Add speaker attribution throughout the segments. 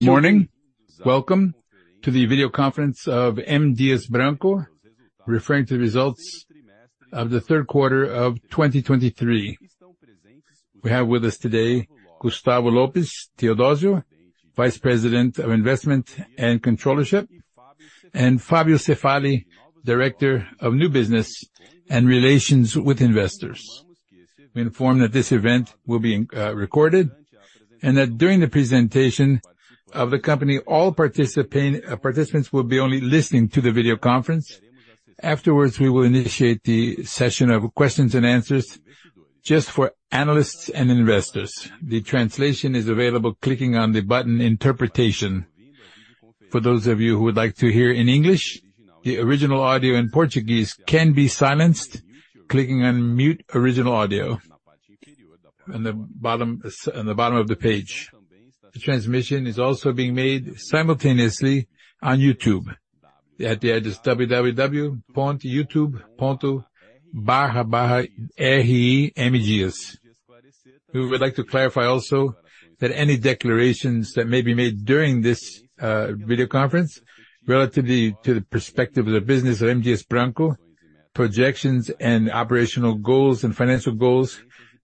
Speaker 1: Good morning. Welcome to the video conference of M. Dias Branco, referring to the results of the third quarter of 2023. We have with us today, Gustavo Lopes Theodozio, Vice President of Investment and Controllership, and Fábio Cefaly, Director of New Business and Relations with Investors. We inform that this event will be recorded, and that during the presentation of the company, all participating participants will be only listening to the video conference. Afterwards, we will initiate the session of questions and answers just for analysts and investors. The translation is available clicking on the button Interpretation. For those of you who would like to hear in English, the original audio in Portuguese can be silenced, clicking on Mute Original Audio on the bottom of the page. The transmission is also being made simultaneously on YouTube at the address www.youtube.com/rimdias. We would like to clarify also, that any declarations that may be made during this, video conference, relatively to the perspective of the business of M. Dias Branco, projections and operational goals and financial goals,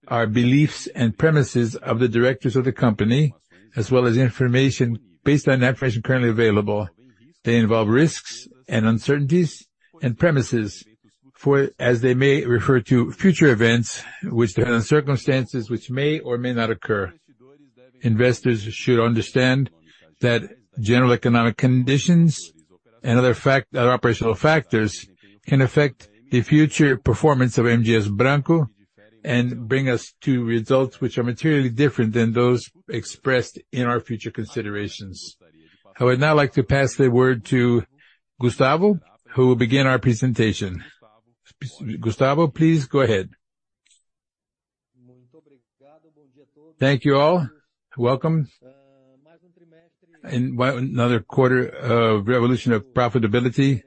Speaker 1: are beliefs and premises of the directors of the company, as well as information, based on information currently available. They involve risks and uncertainties and premises, for as they may refer to future events which depend on circumstances which may or may not occur. Investors should understand that general economic conditions and other fact, other operational factors, can affect the future performance of M. Dias Branco and bring us to results which are materially different than those expressed in our future considerations. I would now like to pass the word to Gustavo, who will begin our presentation. Gustavo, please go ahead.
Speaker 2: Thank you all. Welcome. Well, another quarter of revolution of profitability,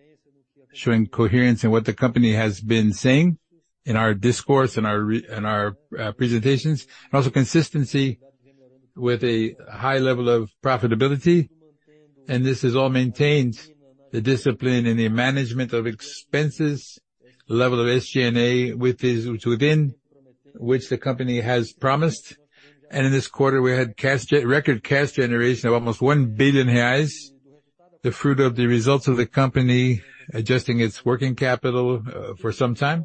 Speaker 2: showing coherence in what the company has been saying in our discourse, in our presentations, and also consistency with a high level of profitability. This is all maintains the discipline and the management of expenses, level of SG&A within which the company has promised. In this quarter, we had record cash generation of almost 1 billion reais. The fruit of the results of the company adjusting its working capital for some time,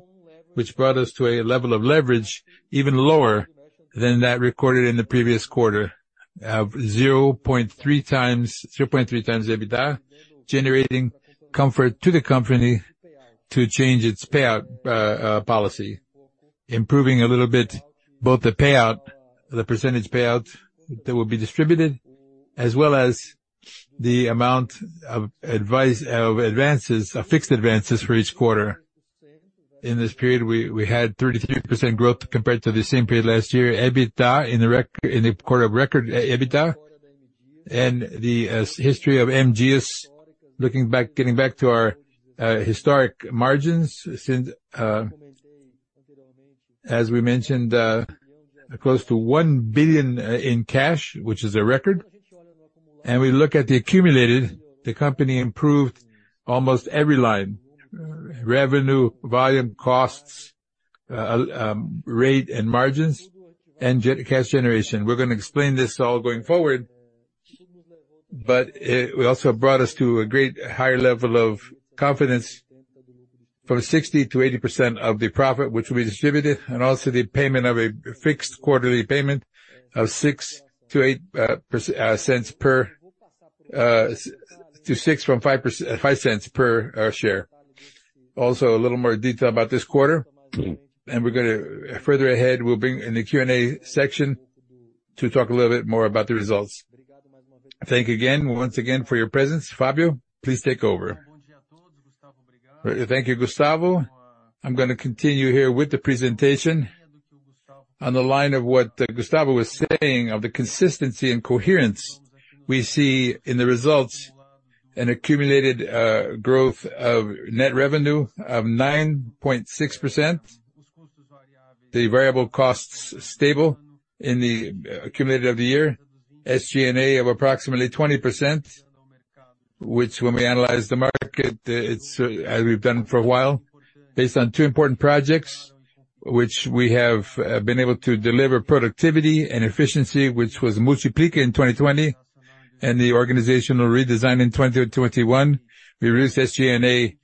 Speaker 2: which brought us to a level of leverage even lower than that recorded in the previous quarter, of 0.3x, 3.3x the EBITDA, generating comfort to the company to change its payout policy. Improving a little bit both the payout, the percentage payout that will be distributed, as well as the amount of advances, of fixed advances for each quarter. In this period, we had 33% growth compared to the same period last year. EBITDA in the quarter of record EBITDA and the history of M. Dias, looking back, getting back to our historic margarines since, as we mentioned, close to 1 billion in cash, which is a record. And we look at the accumulated, the company improved almost every line. Revenue, volume, costs, rate and margarines, and cash generation. We're gonna explain this all going forward, but it also brought us to a great higher level of confidence for 60%-80% of the profit, which will be distributed, and also the payment of a fixed quarterly payment of 0.06-0.08 per share to 0.06 from 0.05 per share. Also, a little more detail about this quarter, and we're going to further ahead, we'll bring in the Q&A section to talk a little bit more about the results. Thank you again, once again for your presence. Fábio, please take over.
Speaker 3: Thank you, Gustavo. I'm gonna continue here with the presentation. On the line of what Gustavo was saying, of the consistency and coherence, we see in the results an accumulated growth of net revenue of 9.6%. The variable costs, stable in the cumulative of the year. SG&A of approximately 20%, which when we analyze the market, it's, as we've done for a while, based on two important projects, which we have been able to deliver productivity and efficiency, which was Multiplica in 2020, and the organizational redesign in 2021. We reduced SG&A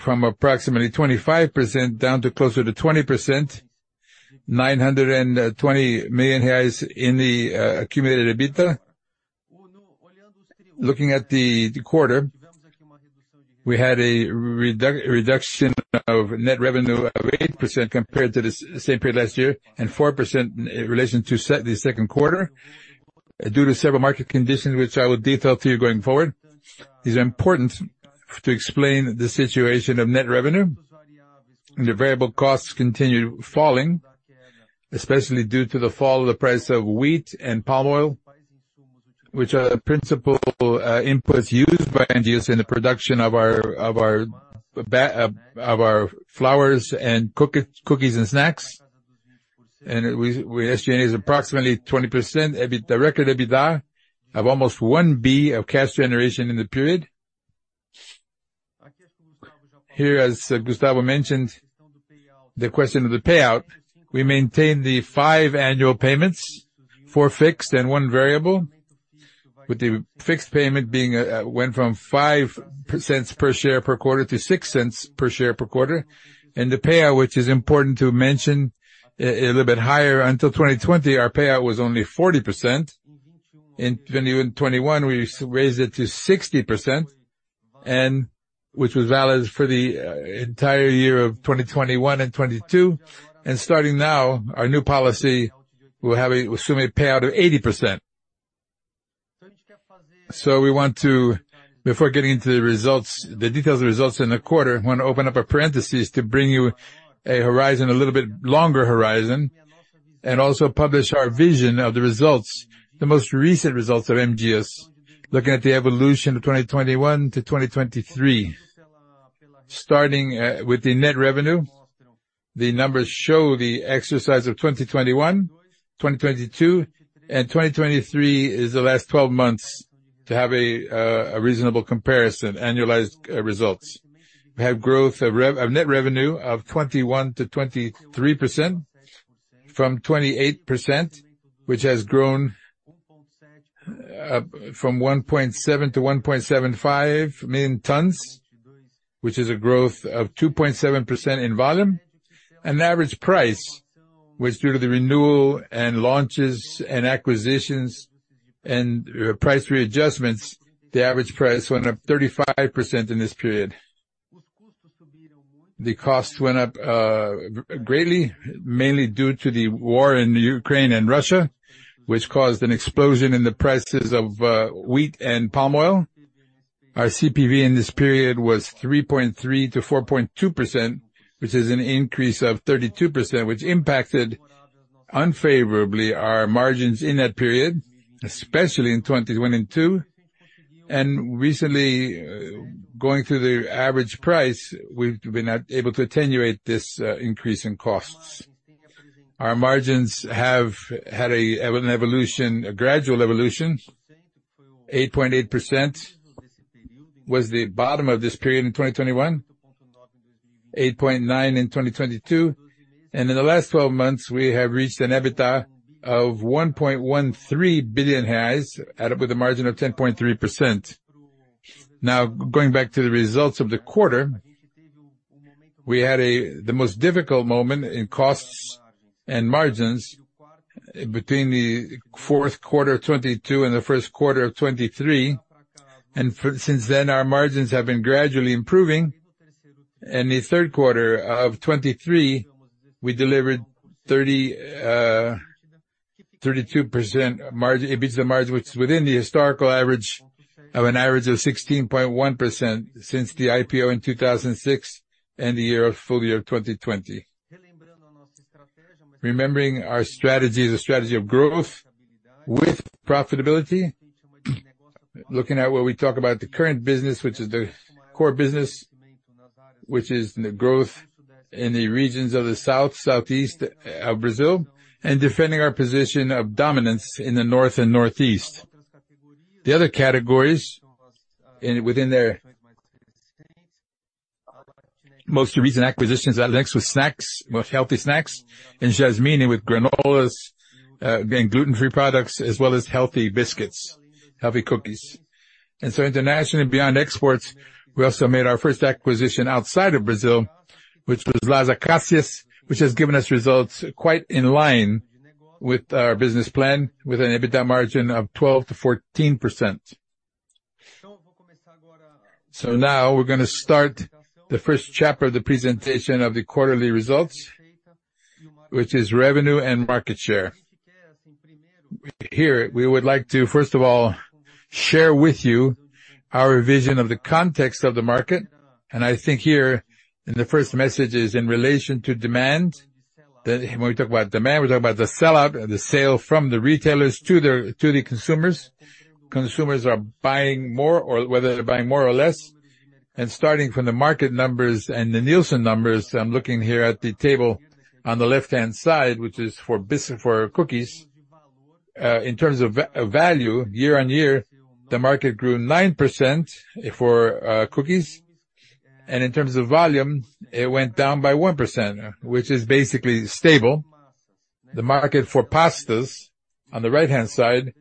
Speaker 3: from approximately 25% down to closer to 20%. 920 million reais in the accumulated EBITDA. Looking at the quarter, we had a reduction of net revenue of 8% compared to the same period last year, and 4% in relation to the second quarter, due to several market conditions, which I will detail to you going forward. It's important to explain the situation of net revenue, and the variable costs continued falling, especially due to the fall of the price of wheat and palm oil, which are the principal inputs used by M. Dias Branco in the production of our flours and cookies and snacks. And we estimate is approximately 20%, the record EBITDA of almost 1 billion of cash generation in the period. Here, as Gustavo mentioned, the question of the payout, we maintain the five annual payments, four fixed and one variable, with the fixed payment being went from 5 cents per share per quarter to 6 cents per share per quarter. And the payout, which is important to mention, a little bit higher. Until 2020, our payout was only 40%. In 2021, we raised it to 60%, and which was valid for the entire year of 2021 and 2022. Starting now, our new policy, we're having, assuming a payout of 80%. So we want to, before getting into the results, the details of the results in the quarter, I want to open up a parentheses to bring you a horizon, a little bit longer horizon, and also publish our vision of the results, the most recent results of M. Dias Branco, looking at the evolution of 2021 to 2023. Starting with the net revenue, the numbers show the exercise of 2021, 2022, and 2023 is the last 12 months to have a reasonable comparison, annualized results. We have growth of revenue of net revenue of 21%-23% from 28%, which has grown from 1.7 to 1.75 million tons, which is a growth of 2.7% in volume. And the average price, which due to the renewal and launches, and acquisitions, and price readjustments, the average price went up 35% in this period. The cost went up greatly, mainly due to the war in Ukraine and Russia, which caused an explosion in the prices of wheat and palm oil. Our CPV in this period was 3.3%-4.2%, which is an increase of 32%, which impacted unfavorably our margins in that period, especially in 2021 and 2022. Recently, going through the average price, we've been not able to attenuate this increase in costs. Our margins have had an evolution, a gradual evolution. 8.8% was the bottom of this period in 2021, 8.9% in 2022, and in the last 12 months, we have reached an EBITDA of 1.13 billion, added up with a margin of 10.3%. Now, going back to the results of the quarter, we had the most difficult moment in costs and margins between the fourth quarter of 2022 and the first quarter of 2023, and since then, our margins have been gradually improving. The third quarter of 2023, we delivered 32% margin, EBITDA margin, which is within the historical average of 16.1% since the IPO in 2006 and the full year 2020. Remembering our strategy is a strategy of growth with profitability. Looking at what we talk about, the current business, which is the core business, which is the growth in the regions of the South, Southeast, Brazil, and defending our position of dominance in the North and Northeast. The other categories, and within their most recent acquisitions, Latinex with snacks, with healthy snacks, and Jasmine with granolas, again, gluten-free products, as well as healthy biscuits, healthy cookies. So internationally, beyond exports, we also made our first acquisition outside of Brazil, which was Las Acacias, which has given us results quite in line with our business plan, with an EBITDA margin of 12%-14%. So now we're gonna start the first chapter of the presentation of the quarterly results, which is revenue and market share. Here, we would like to, first of all, share with you our vision of the context of the market. And I think here, and the first message is in relation to demand, that when we talk about demand, we're talking about the sell-out and the sale from the retailers to the, to the consumers. Consumers are buying more or whether they're buying more or less. And starting from the market numbers and the Nielsen numbers, I'm looking here at the table on the left-hand side, which is for cookies. In terms of value, year-on-year, the market grew 9% for cookies, and in terms of volume, it went down by 1%, which is basically stable. The market for pastas, on the right-hand side,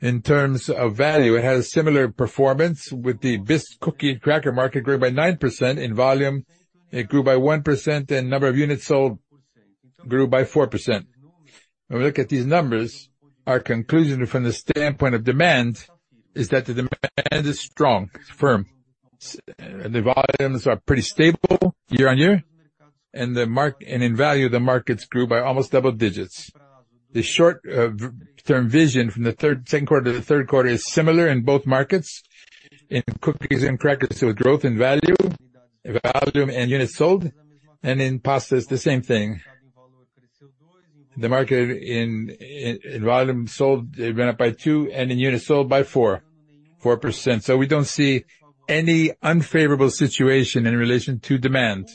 Speaker 3: in terms of value, it has similar performance with the biscuit cookie, cracker market grew by 9%. In volume, it grew by 1%, and number of units sold grew by 4%. When we look at these numbers, our conclusion from the standpoint of demand is that the demand is strong, firm. The volumes are pretty stable year-on-year, and the market, and in value, the markets grew by almost double digits. The short term vision from the second quarter to the third quarter is similar in both markets, in cookies and crackers, with growth in value, volume, and units sold, and in pastas, the same thing. The market in volume sold, it went up by 2, and in units sold by 4%. So we don't see any unfavorable situation in relation to demand.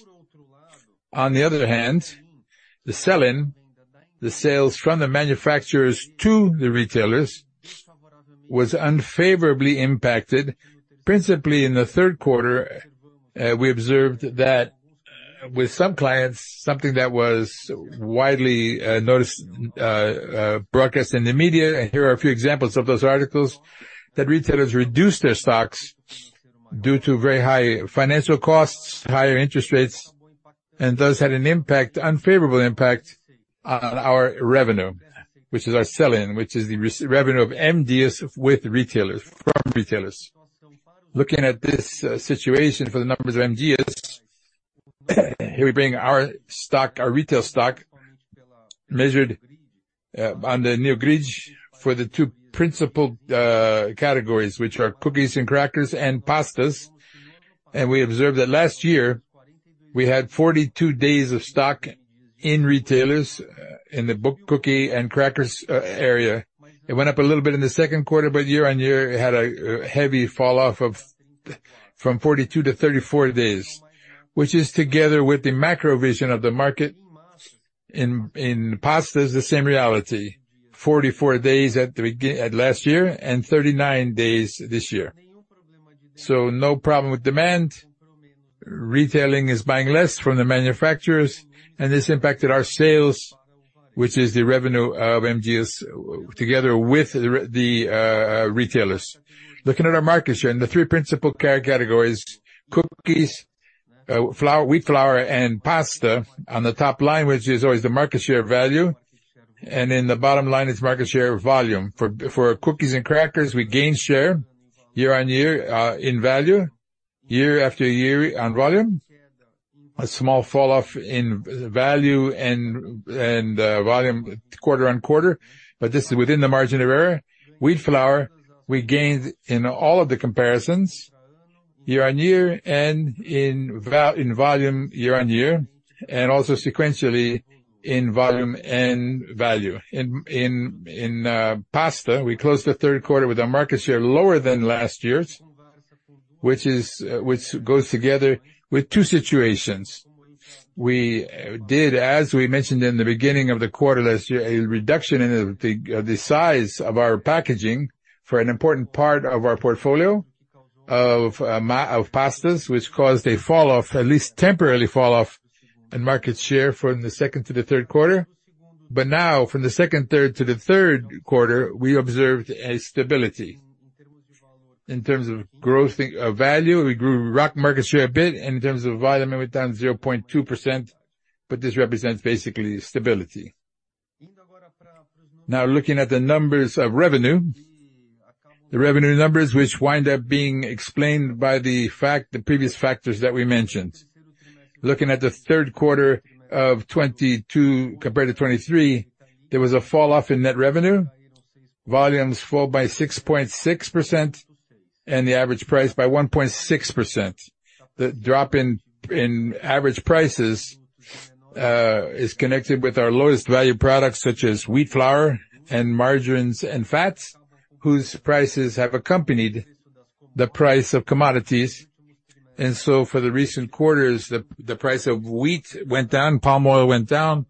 Speaker 3: On the other hand, the sell-in, the sales from the manufacturers to the retailers, was unfavorably impacted. Principally in the third quarter, we observed that with some clients, something that was widely noticed broadcast in the media. And here are a few examples of those articles, that retailers reduced their stocks due to very high financial costs, higher interest rates, and thus had an impact, unfavorable impact, on our revenue, which is our sell-in, which is the revenue of M. Dias Branco with retailers, from retailers. Looking at this situation for the numbers of M. Dias Branco, here we bring our stock, our retail stock, measured on the new grid for the two principal categories, which are cookies and crackers, and pastas. And we observed that last year, we had 42 days of stock in retailers in the biscuit, cookie and crackers area. It went up a little bit in the second quarter, but year-on-year, it had a heavy falloff from 42 to 34 days. Which is together with the macro vision of the market in pastas, the same reality. 44 days at the beginning of last year and 39 days this year. So no problem with demand. Retailing is buying less from the manufacturers, and this impacted our sales, which is the revenue of M. Dias Branco together with the retailers. Looking at our market share in the three principal categories, cookies, wheat flour, and pasta. On the top line, which is always the market share value, and in the bottom line, it's market share volume. For cookies and crackers, we gained share year-over-year in value, year-over-year in volume. A small falloff in value and volume, quarter-over-quarter, but this is within the margin of error. Wheat flour, we gained in all of the comparisons, year-over-year in value and volume, year-over-year, and also sequentially in volume and value. In pasta, we closed the third quarter with our market share lower than last year's, which is, which goes together with two situations. We did, as we mentioned in the beginning of the quarter last year, a reduction in the size of our packaging for an important part of our portfolio of pastas, which caused a falloff, at least temporarily falloff in market share from the second to the third quarter. But now, from the second to the third quarter, we observed a stability. In terms of growth, value, we grew our market share a bit, and in terms of volume, we went down 0.2%, but this represents basically stability. Now, looking at the numbers of revenue. The revenue numbers, which wind up being explained by the fact, the previous factors that we mentioned. Looking at the third quarter of 2022 compared to 2023, there was a falloff in net revenue. Volumes fell by 6.6% and the average price by 1.6%. The drop in average prices is connected with our lowest value products, such as wheat flour, and margins, and fats, whose prices have accompanied the price of commodities. And so for the recent quarters, the price of wheat went down, palm oil went down,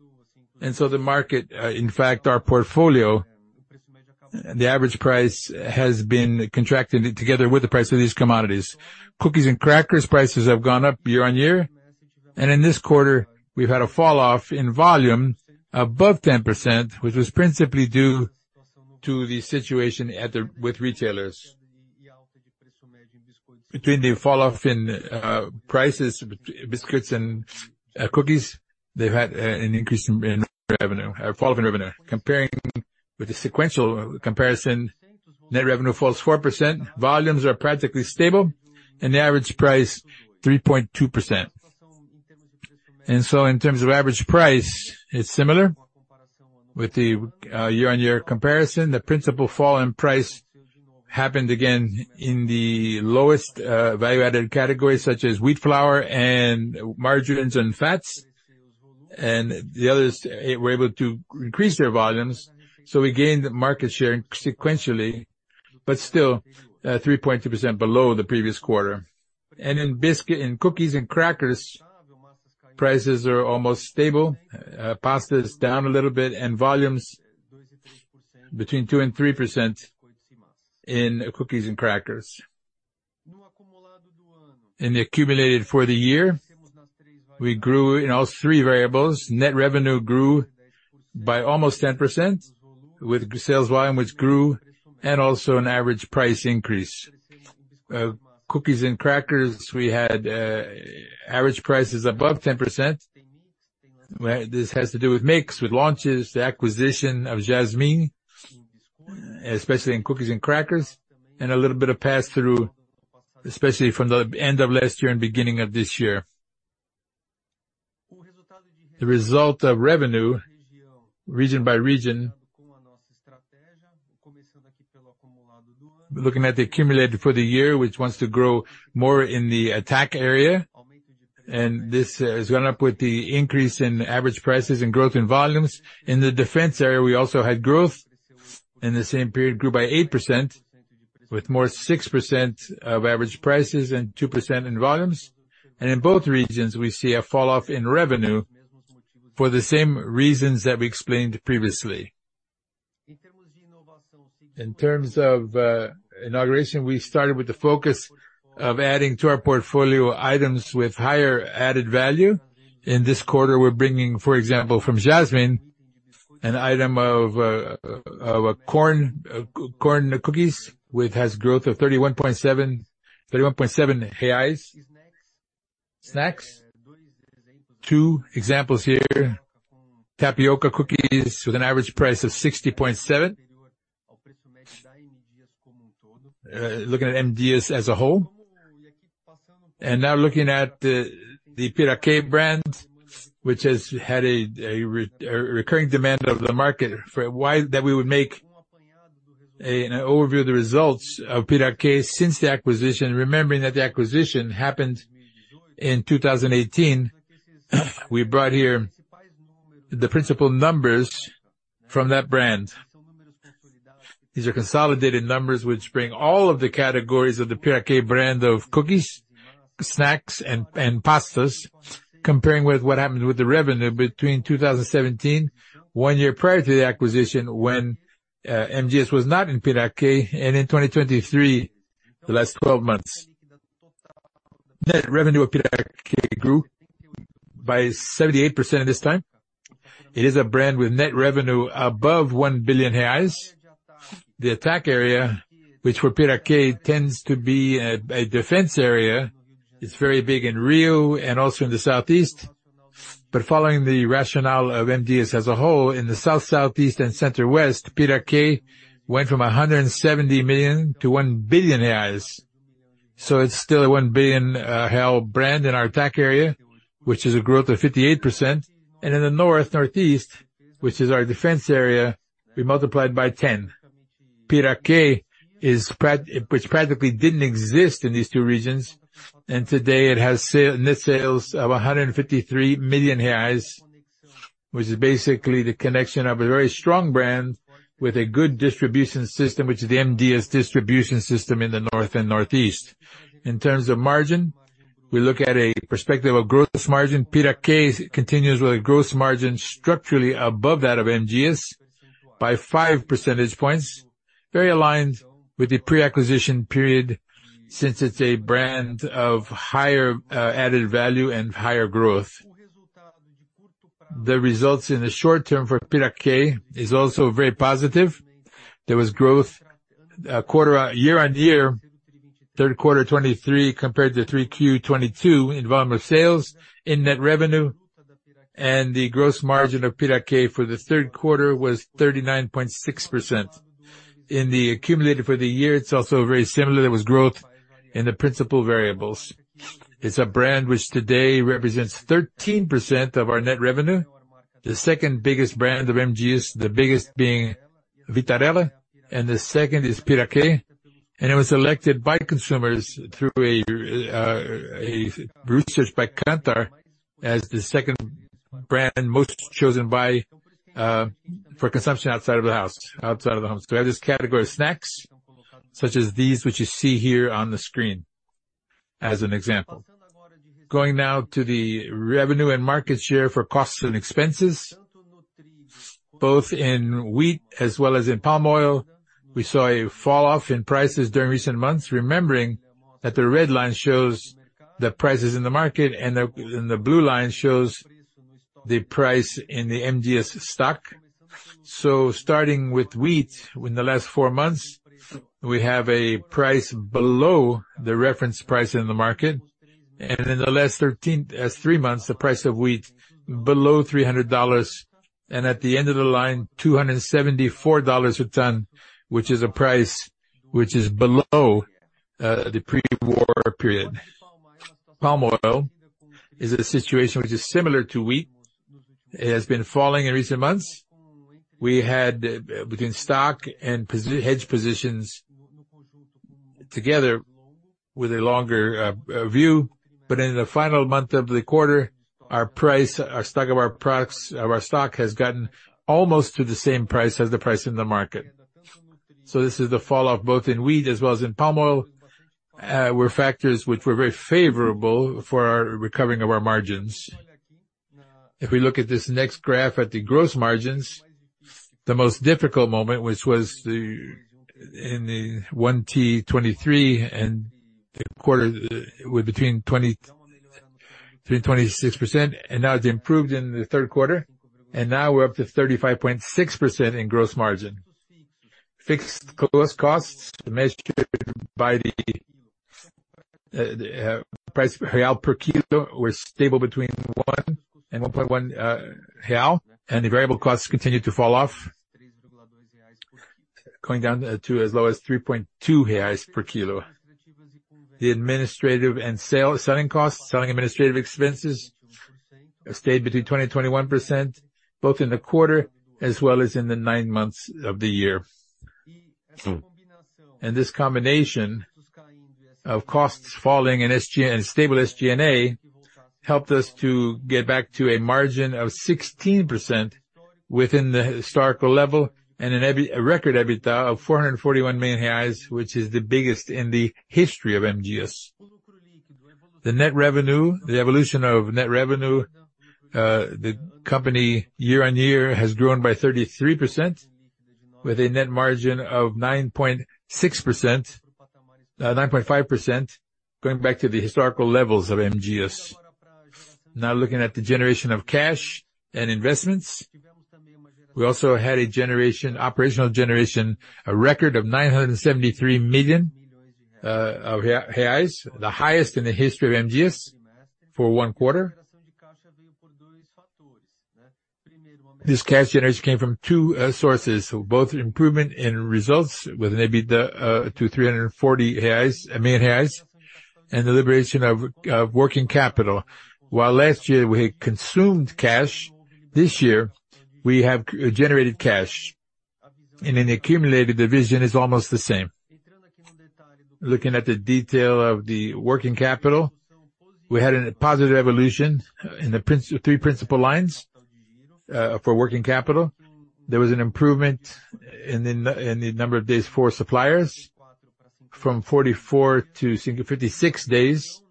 Speaker 3: and so the market, in fact, our portfolio, the average price has been contracted together with the price of these commodities. Cookies and crackers prices have gone up year-on-year, and in this quarter, we've had a falloff in volume above 10%, which was principally due to the situation at the with retailers. Between the falloff in prices, between biscuits and cookies, they've had an increase in revenue, falloff in revenue. Comparing with the sequential comparison, net revenue falls 4%, volumes are practically stable, and the average price 3.2%. And so in terms of average price, it's similar. With the year-on-year comparison, the principal fall in price happened again in the lowest value-added categories, such as wheat flour, and margins, and fats, and the others were able to increase their volumes. So we gained market share sequentially, but still 3.2% below the previous quarter. And in biscuit, in cookies and crackers, prices are almost stable. Pasta is down a little bit, and volumes between 2%-3% in cookies and crackers. In the accumulated for the year, we grew in all three variables. Net revenue grew by almost 10%, with sales volume, which grew, and also an average price increase. Cookies and crackers, we had average prices above 10%. This has to do with mix, with launches, the acquisition of Jasmine, especially in cookies and crackers, and a little bit of pass-through, especially from the end of last year and beginning of this year. The result of revenue, region by region, looking at the accumulator for the year, which wants to grow more in the attack area. And this has gone up with the increase in average prices and growth in volumes. In the defense area, we also had growth, in the same period, grew by 8%, with more six percent of average prices and 2% in volumes. And in both regions, we see a falloff in revenue for the same reasons that we explained previously.
Speaker 2: In terms of inauguration, we started with the focus of adding to our portfolio items with higher added value. In this quarter, we're bringing, for example, from Jasmine, an item of a corn cookies, which has growth of 31.7 BRL. Snacks, two examples here. Tapioca cookies with an average price of 60.7 BRL, looking at M. Dias as a whole. And now looking at the Piraquê brand, which has had a recurring demand of the market for a while, that we would make an overview of the results of Piraquê since the acquisition, remembering that the acquisition happened in 2018. We brought here the principal numbers from that brand. These are consolidated numbers which bring all of the categories of the Piraquê brand of cookies, snacks, and pastas, comparing with what happened with the revenue between 2017, one year prior to the acquisition, when M. Dias Branco was not in Piraquê, and in 2023, the last twelve months. Net revenue of Piraquê grew by 78% at this time. It is a brand with net revenue above 1 billion reais. The attack area, which for Piraquê tends to be a defense area, is very big in Rio and also in the Southeast, but following the rationale of M. Dias Branco as a whole, in the South, Southeast, and Center West, Piraquê went from 170 million to 1 billion reais. So it's still a 1 billion real brand in our attack area, which is a growth of 58%. In the North, Northeast, which is our defense area, we multiplied by 10. Piraquê, which practically didn't exist in these two regions, and today it has net sales of 153 million reais, which is basically the connection of a very strong brand with a good distribution system, which is the M. Dias distribution system in the North and Northeast. In terms of margin, we look at a perspective of gross margin. Piraquê continues with a growth margin structurally above that of M. Dias by five percentage points, very aligned with the pre-acquisition period, since it's a brand of higher added value and higher growth. The results in the short term for Piraquê is also very positive. There was growth, quarter, year-on-year, third quarter 2023, compared to 3Q 2022, in volume of sales, in net revenue, and the gross margin of Piraquê for the third quarter was 39.6%. In the accumulated for the year, it's also very similar. There was growth in the principal variables. It's a brand which today represents 13% of our net revenue. The second biggest brand of M. Dias, the biggest being Vitarella, and the second is Piraquê. And it was selected by consumers through a research by Kantar, as the second brand most chosen by for consumption outside of the home. So we have this category of snacks, such as these, which you see here on the screen, as an example. Going now to the revenue and market share for costs and expenses, both in wheat as well as in palm oil. We saw a falloff in prices during recent months, remembering that the red line shows the prices in the market and the blue line shows the price in the M. Dias stock. So starting with wheat, in the last four months, we have a price below the reference price in the market, and in the last three months, the price of wheat below $300, and at the end of the line, $274 a ton, which is a price which is below the pre-war period. Palm oil is a situation which is similar to wheat. It has been falling in recent months. We had between stock and position hedge positions together with a longer view, but in the final month of the quarter, our price, our stock of our products, of our stock, has gotten almost to the same price as the price in the market. So this is the falloff, both in wheat as well as in palm oil, were factors which were very favorable for our recovering of our margins. If we look at this next graph at the gross margins, the most difficult moment, which was in the 1T 2023, and the quarter with between 23%-26%, and now it's improved in the third quarter, and now we're up to 35.6% in gross margin. Fixed costs measured by the price, BRL per kilo, were stable between 1 and 1.1 real, and the variable costs continued to fall off, going down to as low as 3.2 reais per kilo. The administrative and selling costs, selling administrative expenses, stayed between 20% and 21%, both in the quarter as well as in the nine months of the year. This combination of costs falling and stable SG&A helped us to get back to a margin of 16% within the historical level, and a record EBITDA of 441 million reais, which is the biggest in the history of M. Dias. The net revenue, the evolution of net revenue, the company year-on-year has grown by 33%, with a net margin of 9.6%, 9.5%, going back to the historical levels of M. Dias. Now, looking at the generation of cash and investments, we also had a generation, operational generation, a record of 973 million, the highest in the history of M. Dias for one quarter. This cash generation came from two sources. Both improvement in results with an EBITDA to 340 million reais, and the liberation of working capital. While last year we had consumed cash, this year we have generated cash, and in the accumulated division is almost the same. Looking at the detail of the working capital, we had a positive evolution in the three principal lines for working capital. There was an improvement in the number of days for suppliers, from 44 to 56 days.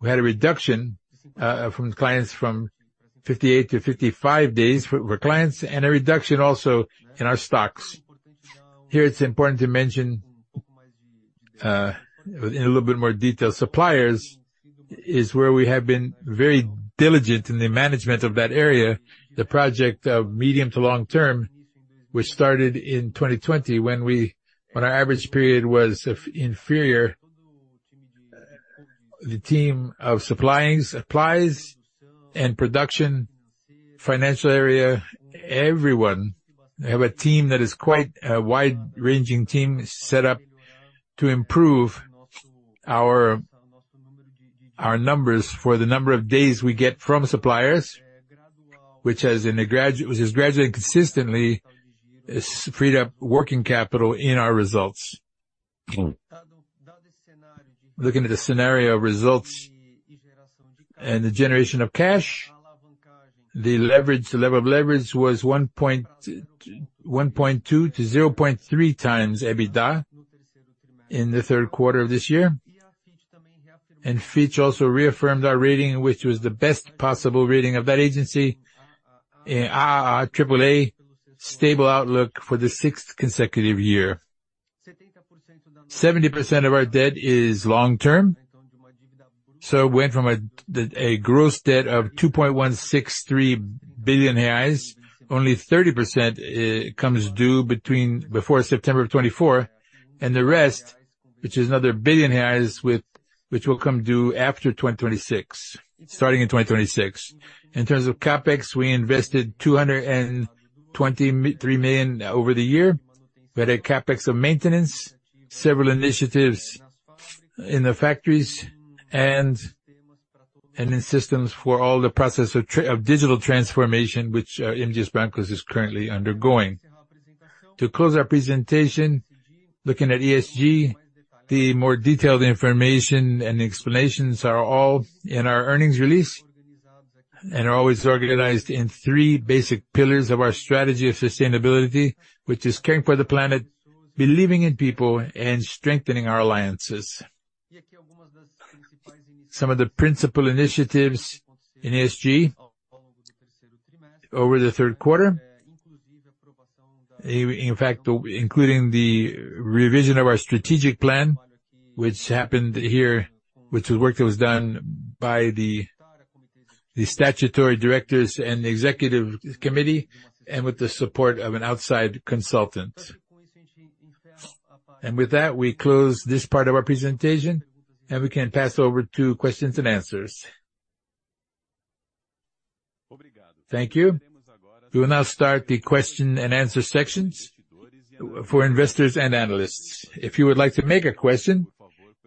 Speaker 2: We had a reduction from clients from 58 to 55 days for clients, and a reduction also in our stocks. Here, it's important to mention in a little bit more detail, suppliers is where we have been very diligent in the management of that area. The project of medium to long term, which started in 2020, when our average period was inferior. The team of supplying, supplies and production, financial area, everyone, they have a team that is quite a wide-ranging team, set up to improve our, our numbers for the number of days we get from suppliers, which has gradually and consistently freed up working capital in our results. Looking at the scenario results and the generation of cash, the leverage, the level of leverage was 1.2-0.3 times EBITDA in the third quarter of this year. And Fitch also reaffirmed our rating, which was the best possible rating of that agency, AAA, stable outlook for the sixth consecutive year. 70% of our debt is long term, so it went from a gross debt of 2.163 billion reais. Only 30%, comes due before September 2024, and the rest, which is another 1 billion reais, which will come due after 2026, starting in 2026. In terms of CapEx, we invested 223 million over the year. We had a CapEx of maintenance, several initiatives in the factories, and in systems for all the process of digital transformation, which M. Dias Branco is currently undergoing. To close our presentation, looking at ESG, the more detailed information and explanations are all in our earnings release, and are always organized in three basic pillars of our strategy of sustainability, which is caring for the planet, believing in people, and strengthening our alliances. Some of the principal initiatives in ESG over the third quarter, in fact, including the revision of our strategic plan, which happened here, which was work that was done by the, the statutory directors and the executive committee, and with the support of an outside consultant. And with that, we close this part of our presentation, and we can pass over to questions and answers.
Speaker 1: Thank you. We will now start the question and answer sections for investors and analysts. If you would like to make a question,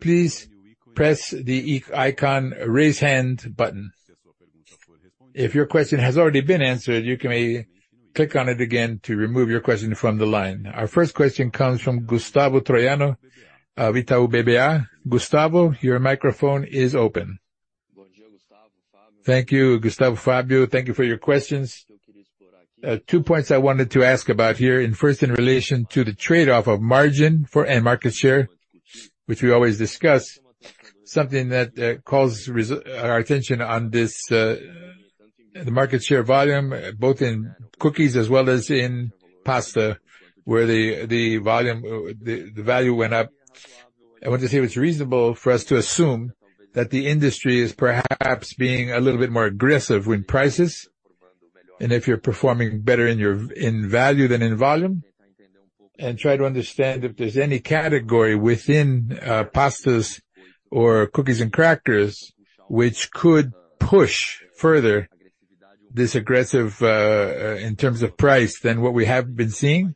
Speaker 1: please press the eye icon, Raise Hand button. If your question has already been answered, you may click on it again to remove your question from the line. Our first question comes from Gustavo Troyano, Itaú BBA. Gustavo, your microphone is open.
Speaker 4: Thank you, Fábio. Thank you for your questions. Two points I wanted to ask about here. First, in relation to the trade-off of margin for and market share, which we always discuss. Something that calls our attention on this, the market share volume, both in cookies as well as in pasta, where the volume, the value went up. I wanted to see if it's reasonable for us to assume that the industry is perhaps being a little bit more aggressive with prices, and if you're performing better in value than in volume. And try to understand if there's any category within pastas or cookies and crackers, which could push further this aggressive in terms of price than what we have been seeing,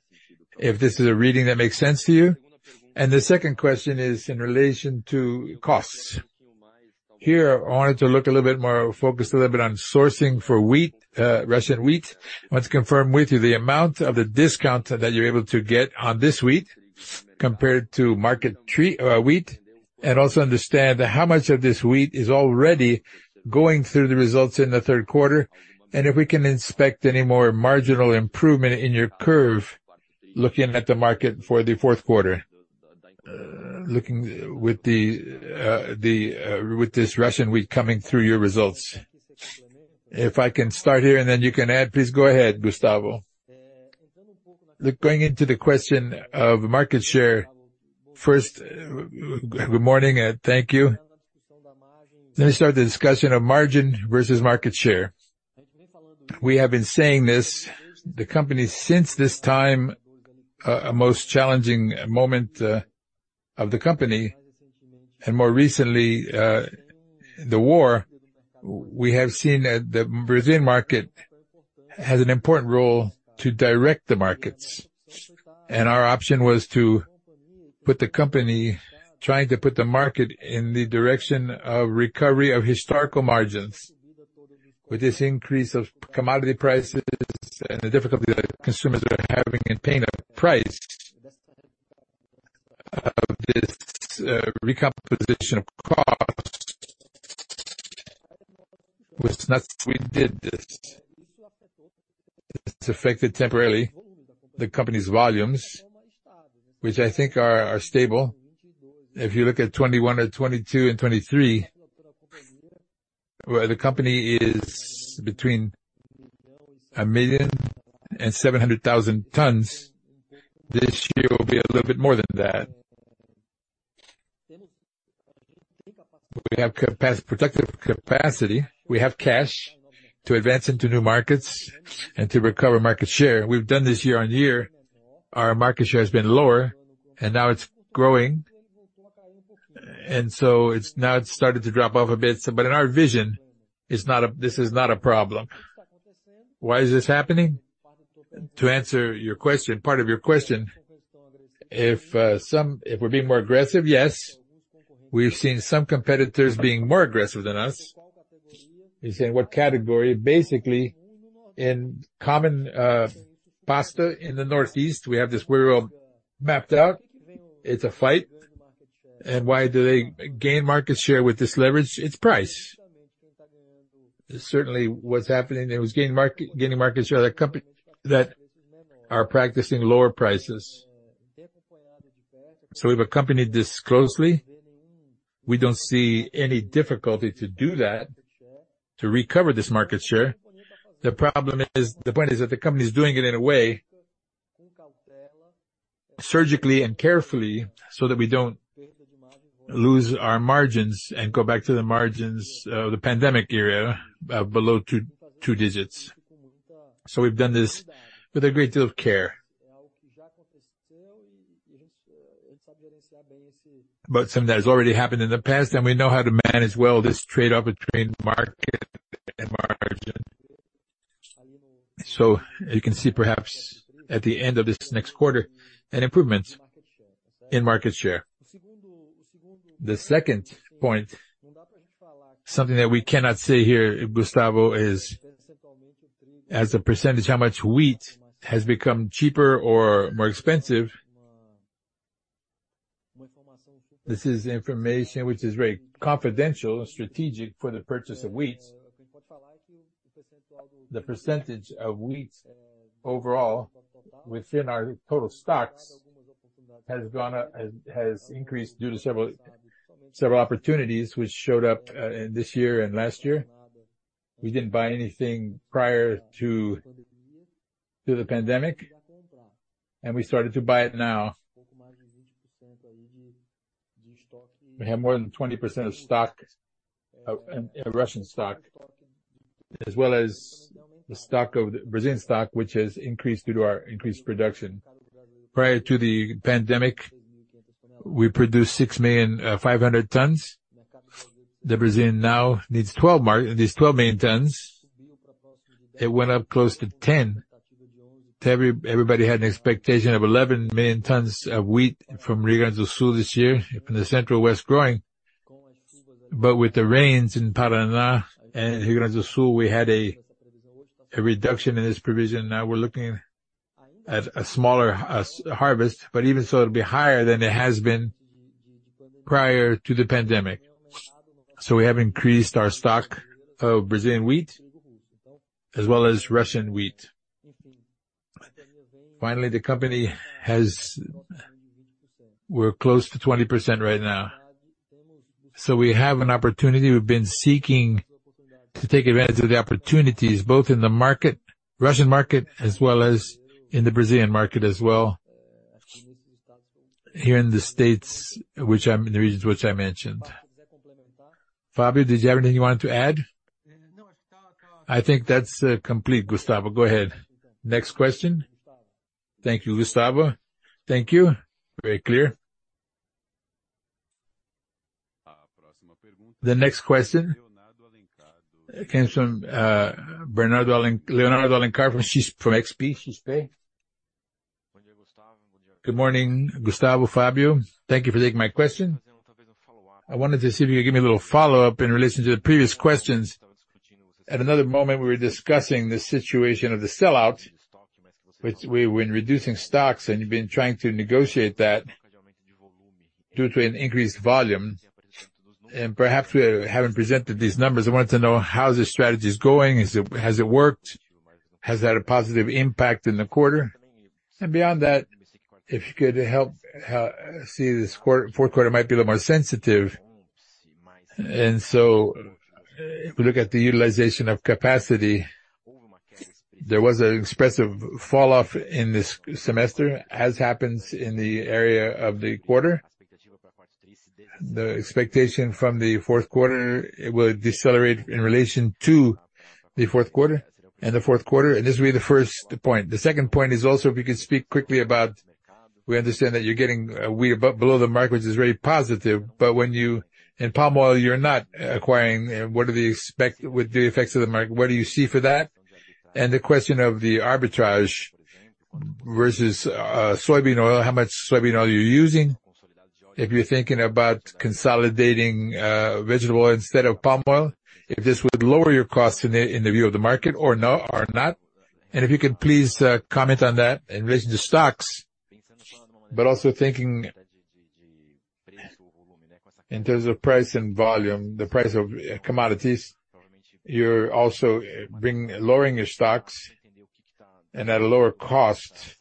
Speaker 4: if this is a reading that makes sense to you? The second question is in relation to costs. Here, I wanted to look a little bit more, focused a little bit on sourcing for wheat, Russian wheat. I want to confirm with you the amount of the discount that you're able to get on this wheat compared to market wheat, and also understand how much of this wheat is already going through the results in the third quarter, and if we can expect any more marginal improvement in your costs, looking at the market for the fourth quarter, looking with this Russian wheat coming through your results. If I can start here, and then you can add, please go ahead, Gustavo.
Speaker 2: Look, going into the question of market share. First, good morning, and thank you. Let me start the discussion of margin versus market share. We have been saying this, the company, since this time, a most challenging moment, of the company, and more recently, the war, we have seen that the Brazilian market has an important role to direct the markets. And our option was to put the company, trying to put the market in the direction of recovery of historical margins. With this increase of commodity prices and the difficulty that consumers are having in paying a price, this, recomposition of cost was not-- We did this. It's affected temporarily, the company's volumes, which I think are stable. If you look at 2021 or 2022 and 2023, where the company is between 1 million and 700,000 tons, this year will be a little bit more than that. We have productive capacity. We have cash to advance into new markets and to recover market share. We've done this year on year. Our market share has been lower, and now it's growing. And so now it's started to drop off a bit, but in our vision, this is not a problem. Why is this happening? To answer your question, part of your question, if we're being more aggressive, yes, we've seen some competitors being more aggressive than us. You're saying what category? Basically, in common pasta in the Northeast, we have this world mapped out. It's a fight. And why do they gain market share with this leverage? It's price. Certainly, what's happening, there was gaining market share, competitors that are practicing lower prices. So we've accompanied this closely. We don't see any difficulty to do that, to recover this market share. The point is that the company is doing it in a way, surgically and carefully, so that we don't lose our margins and go back to the margins of the pandemic era, below two digits. So we've done this with a great deal of care. But something that has already happened in the past, and we know how to manage well this trade-off between market and margin. So you can see, perhaps at the end of this next quarter, an improvement in market share. The second point, something that we cannot say here, Gustavo, is as a percentage, how much wheat has become cheaper or more expensive. This is information which is very confidential and strategic for the purchase of wheat. The percentage of wheat overall, within our total stocks, has gone up, has increased due to several opportunities which showed up in this year and last year. We didn't buy anything prior to the pandemic, and we started to buy it now. We have more than 20% of stock of a Russian stock, as well as the stock of the Brazilian stock, which has increased due to our increased production. Prior to the pandemic, we produced 6.5 million tons. The Brazilian now needs 12 million tons. It went up close to 10. Everybody had an expectation of 11 million tons of wheat from Rio Grande do Sul this year, from the Center West growing. But with the rains in Paraná and Rio Grande do Sul, we had a reduction in this provision. Now we're looking at a smaller harvest, but even so, it'll be higher than it has been prior to the pandemic. So we have increased our stock of Brazilian wheat as well as Russian wheat. Finally, the company has... We're close to 20% right now. So we have an opportunity. We've been seeking to take advantage of the opportunities, both in the market, Russian market, as well as in the Brazilian market as well, here in the States, which the regions which I mentioned. Fábio, did you have anything you wanted to add?
Speaker 3: I think that's complete, Gustavo. Go ahead.
Speaker 2: Next question.
Speaker 4: Thank you, Gustavo. Thank you. Very clear.
Speaker 1: The next question comes from Leonardo Alencar from XP.
Speaker 5: Good morning, Gustavo, Fábio. Thank you for taking my question. I wanted to see if you could give me a little follow-up in relation to the previous questions. At another moment, we were discussing the situation of the sell-out, which we've been reducing stocks, and you've been trying to negotiate that due to an increased volume. And perhaps we haven't presented these numbers. I wanted to know, how the strategy is going? Is it? Has it worked? Has that a positive impact in the quarter? And beyond that, if you could help see this quarter, fourth quarter might be a little more sensitive. And so if we look at the utilization of capacity, there was an expressive falloff in this semester, as happens in the area of the quarter. The expectation from the fourth quarter, it will decelerate in relation to the fourth quarter and the fourth quarter, and this will be the first point. The second point is also, if you could speak quickly about, we understand that you're getting way above, below the market, which is very positive, but when you in palm oil, you're not acquiring, what are the expectations with the effects of the market, what do you see for that? And the question of the arbitrage versus soybean oil, how much soybean oil are you using? If you're thinking about consolidating vegetable oil instead of palm oil, if this would lower your costs in the view of the market or no, or not. And if you could please comment on that in relation to stocks, but also thinking in terms of price and volume, the price of commodities, you're also lowering your stocks and at a lower cost.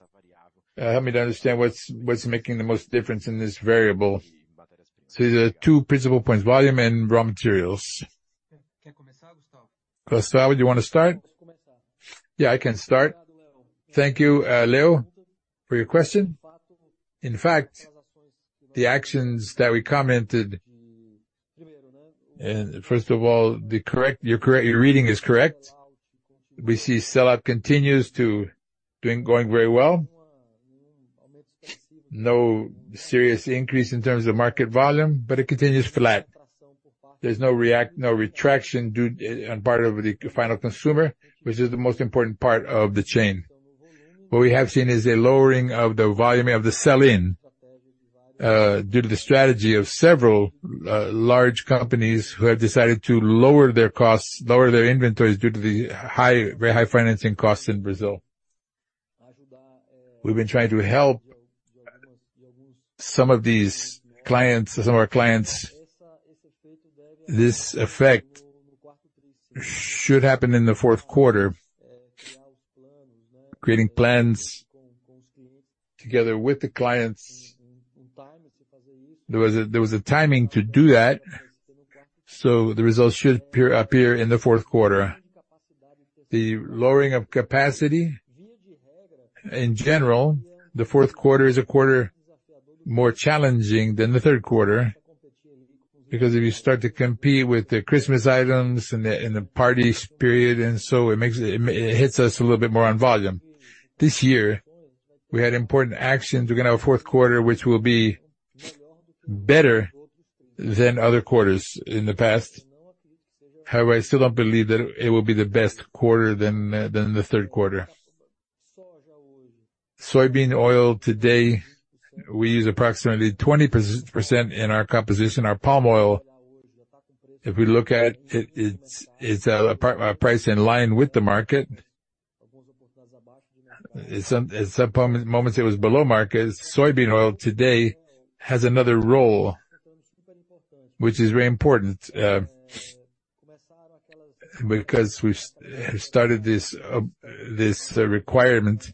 Speaker 5: Help me to understand what's making the most difference in this variable. So these are two principal points, volume and raw materials. Gustavo, do you want to start?
Speaker 2: Yeah, I can start. Thank you, Leo, for your question. In fact, the actions that we commented, and first of all, the correct, you're correct, your reading is correct. We see sell-out continues to doing, going very well. No serious increase in terms of market volume, but it continues flat. There's no retraction due to the part of the final consumer, which is the most important part of the chain. What we have seen is a lowering of the volume of the sell-in, due to the strategy of several large companies who have decided to lower their costs, lower their inventories due to the high, very high financing costs in Brazil. We've been trying to help some of these clients, some of our clients. This effect should happen in the fourth quarter, creating plans together with the clients. There was a timing to do that, so the results should appear in the fourth quarter. The lowering of capacity, in general, the fourth quarter is a quarter more challenging than the third quarter, because if you start to compete with the Christmas items and the parties period, and so it makes it, it hits us a little bit more on volume. This year, we had important actions within our fourth quarter, which will be better than other quarters in the past. However, I still don't believe that it will be the best quarter than the third quarter. Soybean oil today, we use approximately 20% in our composition, our palm oil. If we look at it, it's a price in line with the market. At some palm moments, it was below market. Soybean oil today has another role, which is very important, because we've started this this requirement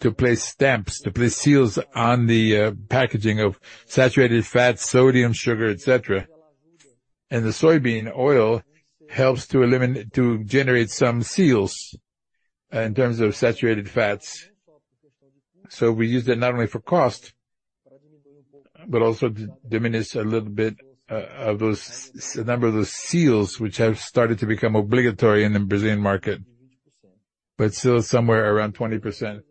Speaker 2: to place stamps, to place seals on the packaging of saturated fats, sodium, sugar, et cetera. And the soybean oil helps to eliminate to generate some seals in terms of saturated fats. So we use that not only for cost, but also to diminish a little bit of those, the number of those seals, which have started to become obligatory in the Brazilian market, but still somewhere around 20%.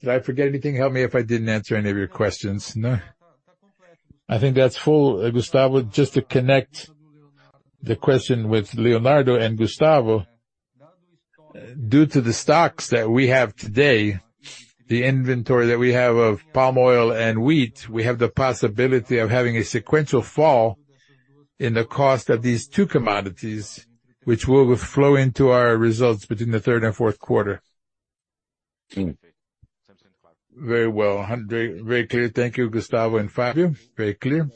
Speaker 2: Did I forget anything? Help me if I didn't answer any of your questions.
Speaker 3: No? I think that's full, Gustavo.Just to connect the question with Leonardo and Gustavo. Due to the stocks that we have today, the inventory that we have of palm oil and wheat, we have the possibility of having a sequential fall in the cost of these two commodities, which will flow into our results between the third and fourth quarter.
Speaker 5: Very well. Very clear. Thank you, Gustavo and Fábio. Very clear.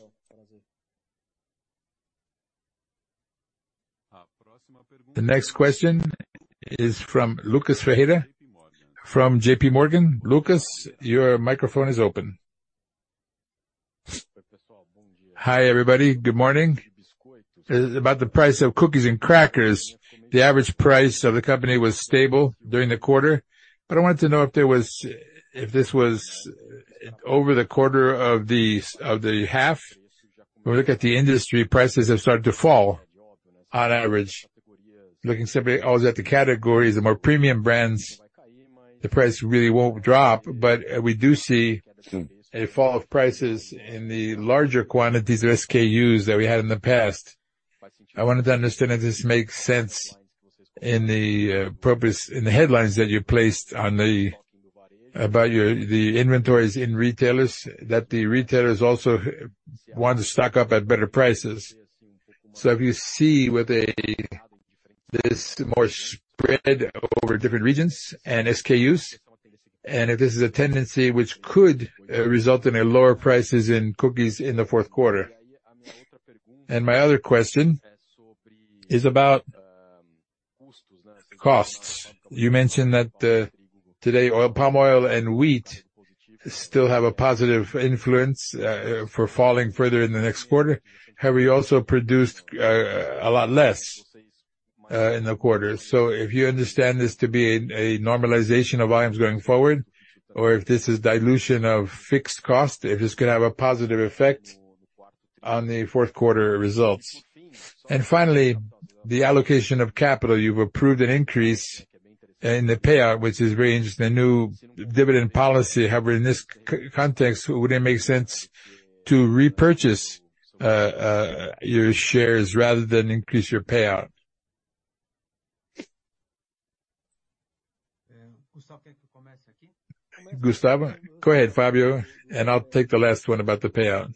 Speaker 1: The next question is from Lucas Ferreira, from JP Morgan. Lucas, your microphone is open.
Speaker 6: Hi, everybody. Good morning. About the price of cookies and crackers, the average price of the company was stable during the quarter, but I wanted to know if there was, if this was over the quarter of the, of the half. When we look at the industry, prices have started to fall on average. Looking specifically, also at the categories, the more premium brands, the price really won't drop, but we do see a fall of prices in the larger quantities or SKUs that we had in the past... I wanted to understand if this makes sense in the, purpose, in the headlines that you placed on the, about your the inventories in retailers, that the retailers also want to stock up at better prices. So if you see whether there is more spread over different regions and SKUs, and if this is a tendency which could, result in a lower prices in cookies in the fourth quarter. And my other question is about costs. You mentioned that, today, oil, palm oil and wheat still have a positive influence, for falling further in the next quarter, have we also produced, a lot less, in the quarter? So if you understand this to be a normalization of volumes going forward, or if this is dilution of fixed cost, if it's gonna have a positive effect on the fourth quarter results. And finally, the allocation of capital. You've approved an increase in the payout, which has arranged a new dividend policy. However, in this context, would it make sense to repurchase your shares rather than increase your payout? Gustavo, go ahead, Fábio, and I'll take the last one about the payout.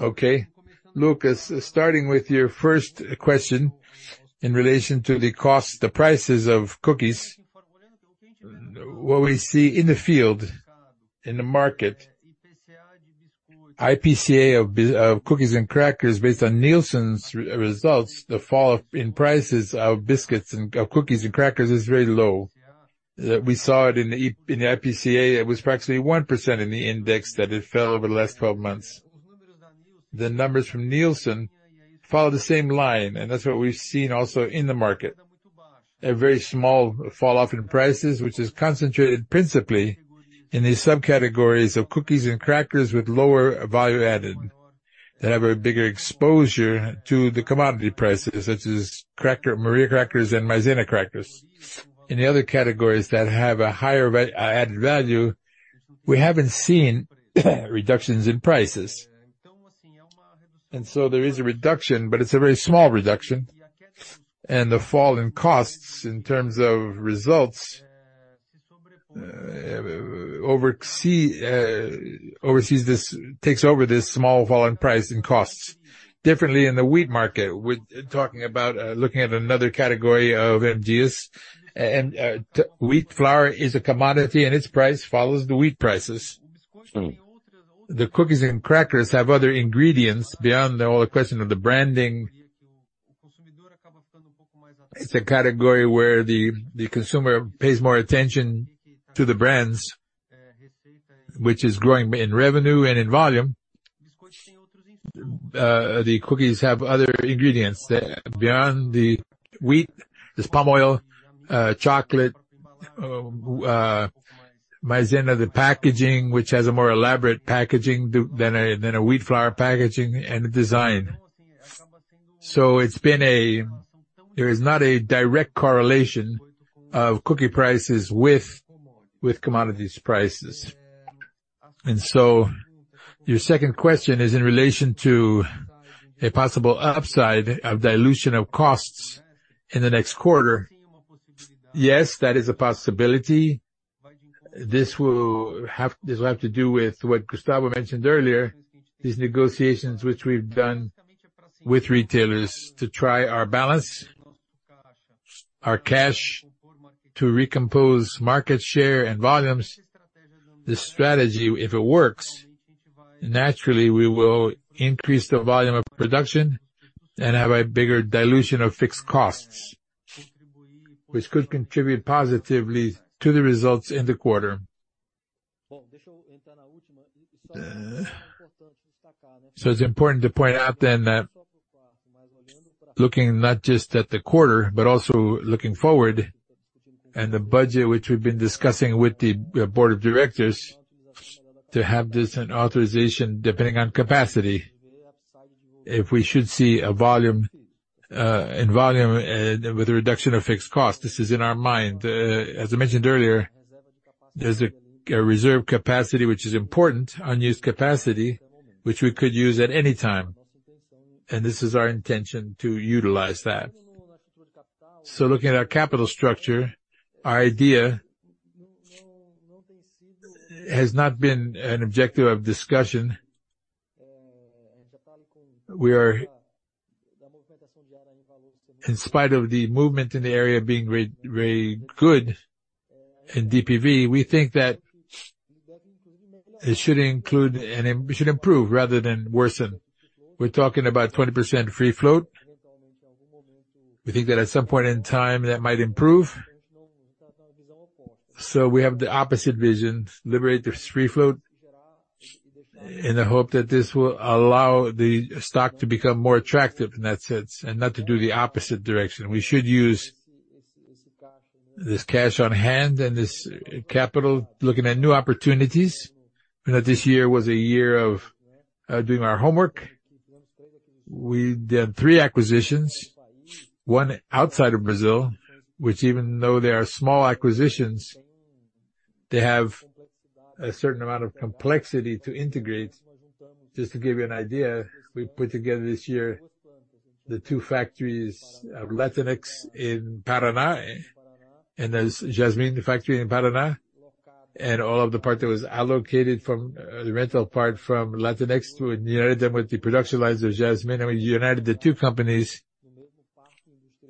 Speaker 6: Okay, Lucas, starting with your first question in relation to the cost, the prices of cookies. What we see in the field, in the market, IPCA of biscuits and cookies and crackers, based on Nielsen's results, the fall in prices of biscuits and cookies and crackers is very low. We saw it in the IPCA, it was practically 1% in the index that it fell over the last twelve months. The numbers from Nielsen follow the same line, and that's what we've seen also in the market. A very small falloff in prices, which is concentrated principally in the subcategories of cookies and crackers with lower value added, that have a bigger exposure to the commodity prices, such as Maria crackers and Maizena crackers. In the other categories that have a higher value added, we haven't seen reductions in prices. And so there is a reduction, but it's a very small reduction, and the fall in costs, in terms of results, overseas, this takes over this small fall in price and costs. Differently in the wheat market, looking at another category of MD's, wheat flour is a commodity, and its price follows the wheat prices. The cookies and crackers have other ingredients beyond all the question of the branding. It's a category where the consumer pays more attention to the brands, which is growing in revenue and in volume. The cookies have other ingredients beyond the wheat, there's palm oil, chocolate, Maizena, the packaging, which has a more elaborate packaging than a wheat flour packaging and design. So there is not a direct correlation of cookie prices with commodities prices. And so your second question is in relation to a possible upside of dilution of costs in the next quarter. Yes, that is a possibility. This will have, this will have to do with what Gustavo mentioned earlier, these negotiations which we've done with retailers to try our balance, our cash, to recompose market share and volumes. This strategy, if it works, naturally, we will increase the volume of production and have a bigger dilution of fixed costs, which could contribute positively to the results in the quarter. So it's important to point out then that looking not just at the quarter, but also looking forward, and the budget which we've been discussing with the board of directors, to have this, an authorization depending on capacity. If we should see a volume, in volume, with a reduction of fixed costs, this is in our mind. As I mentioned earlier, there's a reserve capacity, which is important, unused capacity, which we could use at any time, and this is our intention to utilize that. So looking at our capital structure, our idea has not been an objective of discussion. We are in spite of the movement in the area being very, very good in CPV, we think that it should include, and it should improve rather than worsen. We're talking about 20% free float. We think that at some point in time, that might improve. So we have the opposite vision, liberate the free float, in the hope that this will allow the stock to become more attractive in that sense, and not to do the opposite direction. We should use this cash on hand and this capital looking at new opportunities, and that this year was a year of doing our homework. We did three acquisitions, one outside of Brazil, which even though they are small acquisitions, they have a certain amount of complexity to integrate. Just to give you an idea, we put together this year the two factories of Latinex in Paraná, and the Jasmine factory in Paraná, and all of the part that was allocated from the rental part from Latinex, we united them with the production lines of Jasmine, and we united the two companies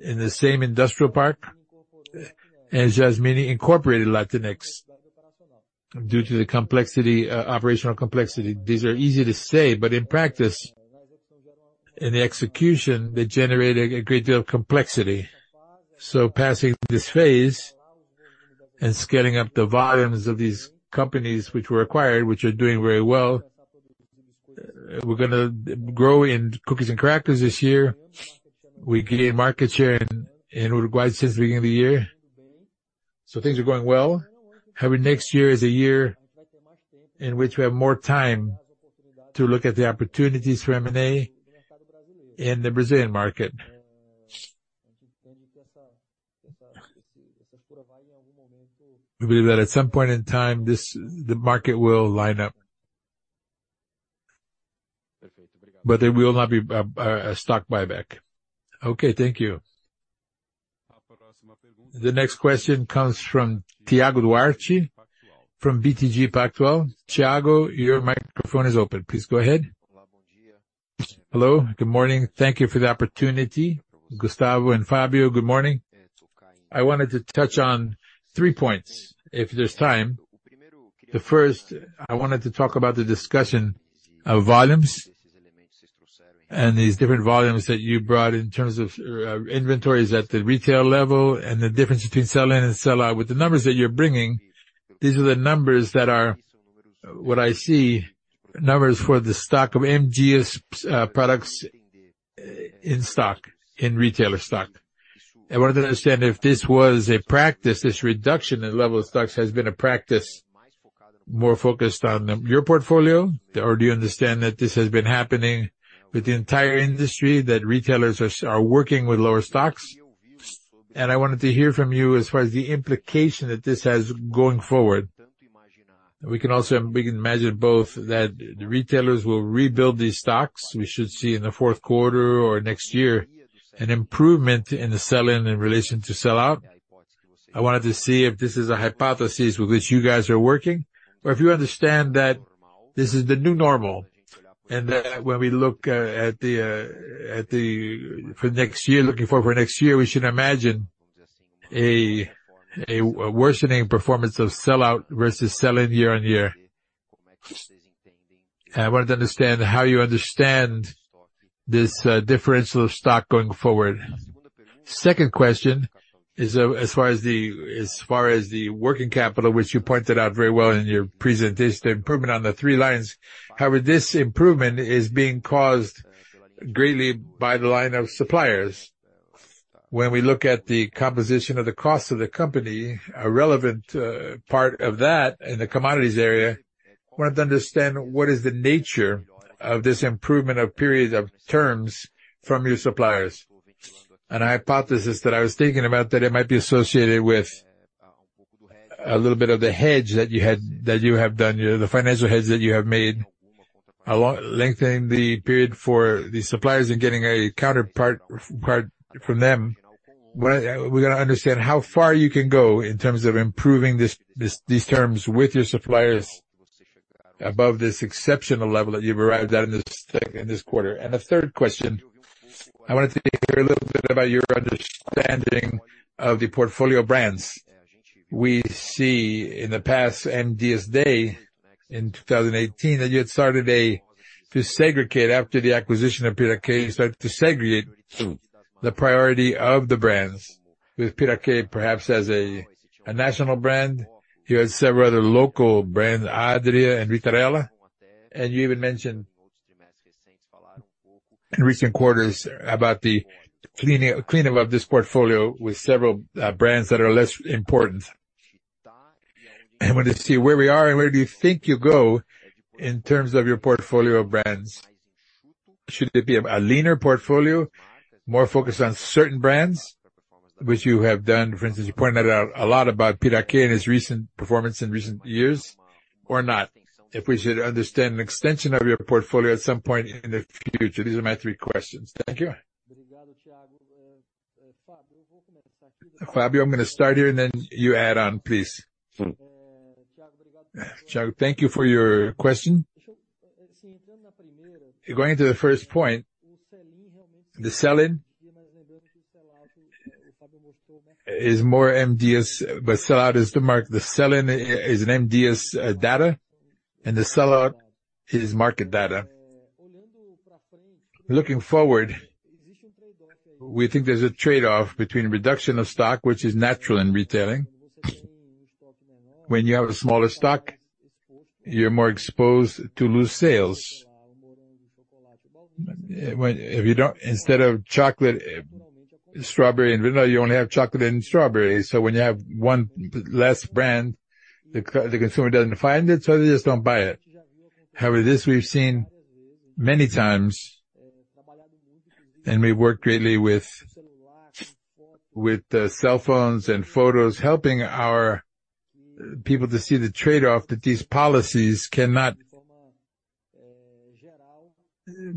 Speaker 6: in the same industrial park, and Jasmine incorporated Latinex. Due to the complexity, operational complexity, these are easy to say, but in practice, in the execution, they generated a great deal of complexity. So passing this phase and scaling up the volumes of these companies which were acquired, which are doing very well, we're gonna grow in cookies and crackers this year. We gained market share in Uruguay since the beginning of the year. So things are going well. However, next year is a year in which we have more time to look at the opportunities for M&A in the Brazilian market. We believe that at some point in time, this, the market will line up. But there will not be a stock buyback. Okay, thank you.
Speaker 1: The next question comes from Thiago Duarte, from BTG Pactual. Thiago, your microphone is open. Please, go ahead.
Speaker 7: Hello, good morning. Thank you for the opportunity. Gustavo and Fábio, good morning. I wanted to touch on three points, if there's time. The first, I wanted to talk about the discussion of volumes and these different volumes that you brought in terms of, inventories at the retail level and the difference between sell-in and sell-out. With the numbers that you're bringing, these are the numbers that are... What I see, numbers for the stock of M. Dias, products, in stock, in retailer stock. I wanted to understand if this was a practice, this reduction in level of stocks has been a practice more focused on, your portfolio, or do you understand that this has been happening with the entire industry, that retailers are working with lower stocks? And I wanted to hear from you as far as the implication that this has going forward. We can also, we can imagine both, that the retailers will rebuild these stocks. We should see in the fourth quarter or next year, an improvement in the sell-in in relation to sell-out. I wanted to see if this is a hypothesis with which you guys are working, or if you understand that this is the new normal, and that when we look at the... For next year, looking forward for next year, we should imagine a worsening performance of sell-out versus sell-in year on year. I wanted to understand how you understand this differential of stock going forward. Second question is, as far as the working capital, which you pointed out very well in your presentation, the improvement on the three lines. However, this improvement is being caused greatly by the line of suppliers. When we look at the composition of the cost of the company, a relevant part of that in the commodities area, I wanted to understand what is the nature of this improvement of periods of terms from your suppliers. An hypothesis that I was thinking about, that it might be associated with a little bit of the hedge that you had, that you have done, the financial hedge that you have made, along lengthening the period for the suppliers and getting a counterpart part from them. We gotta understand how far you can go in terms of improving this, these terms with your suppliers above this exceptional level that you've arrived at in this quarter. And the third question, I wanted to hear a little bit about your understanding of the portfolio brands. We see in the past M. Dias Branco Day, in 2018, that you had started to segregate after the acquisition of Piraquê, you started to segregate the priority of the brands, with Piraquê perhaps as a national brand. You had several other local brands, Adria and Vitarella, and you even mentioned in recent quarters about the cleaning, cleanup of this portfolio with several brands that are less important. I wanted to see where we are and where do you think you go in terms of your portfolio of brands? Should it be a leaner portfolio, more focused on certain brands, which you have done? For instance, you pointed out a lot about Piraquê and its recent performance in recent years, or not. If we should understand an extension of your portfolio at some point in the future. These are my three questions. Thank you.
Speaker 2: Fábio, I'm going to start here, and then you add on, please. Thank you for your question. Going to the first point, the sell-in is more M. Dias, but sell-out is the market. The sell-in is an M. Dias data, and the sell-out is market data. Looking forward, we think there's a trade-off between reduction of stock, which is natural in retailing. When you have a smaller stock, you're more exposed to lose sales. If you don't. Instead of chocolate, strawberry and vanilla, you only have chocolate and strawberry. So when you have one less brand, the consumer doesn't find it, so they just don't buy it. However, this we've seen many times. And we work greatly with the sell-ins and photos, helping our people to see the trade-off, that these policies cannot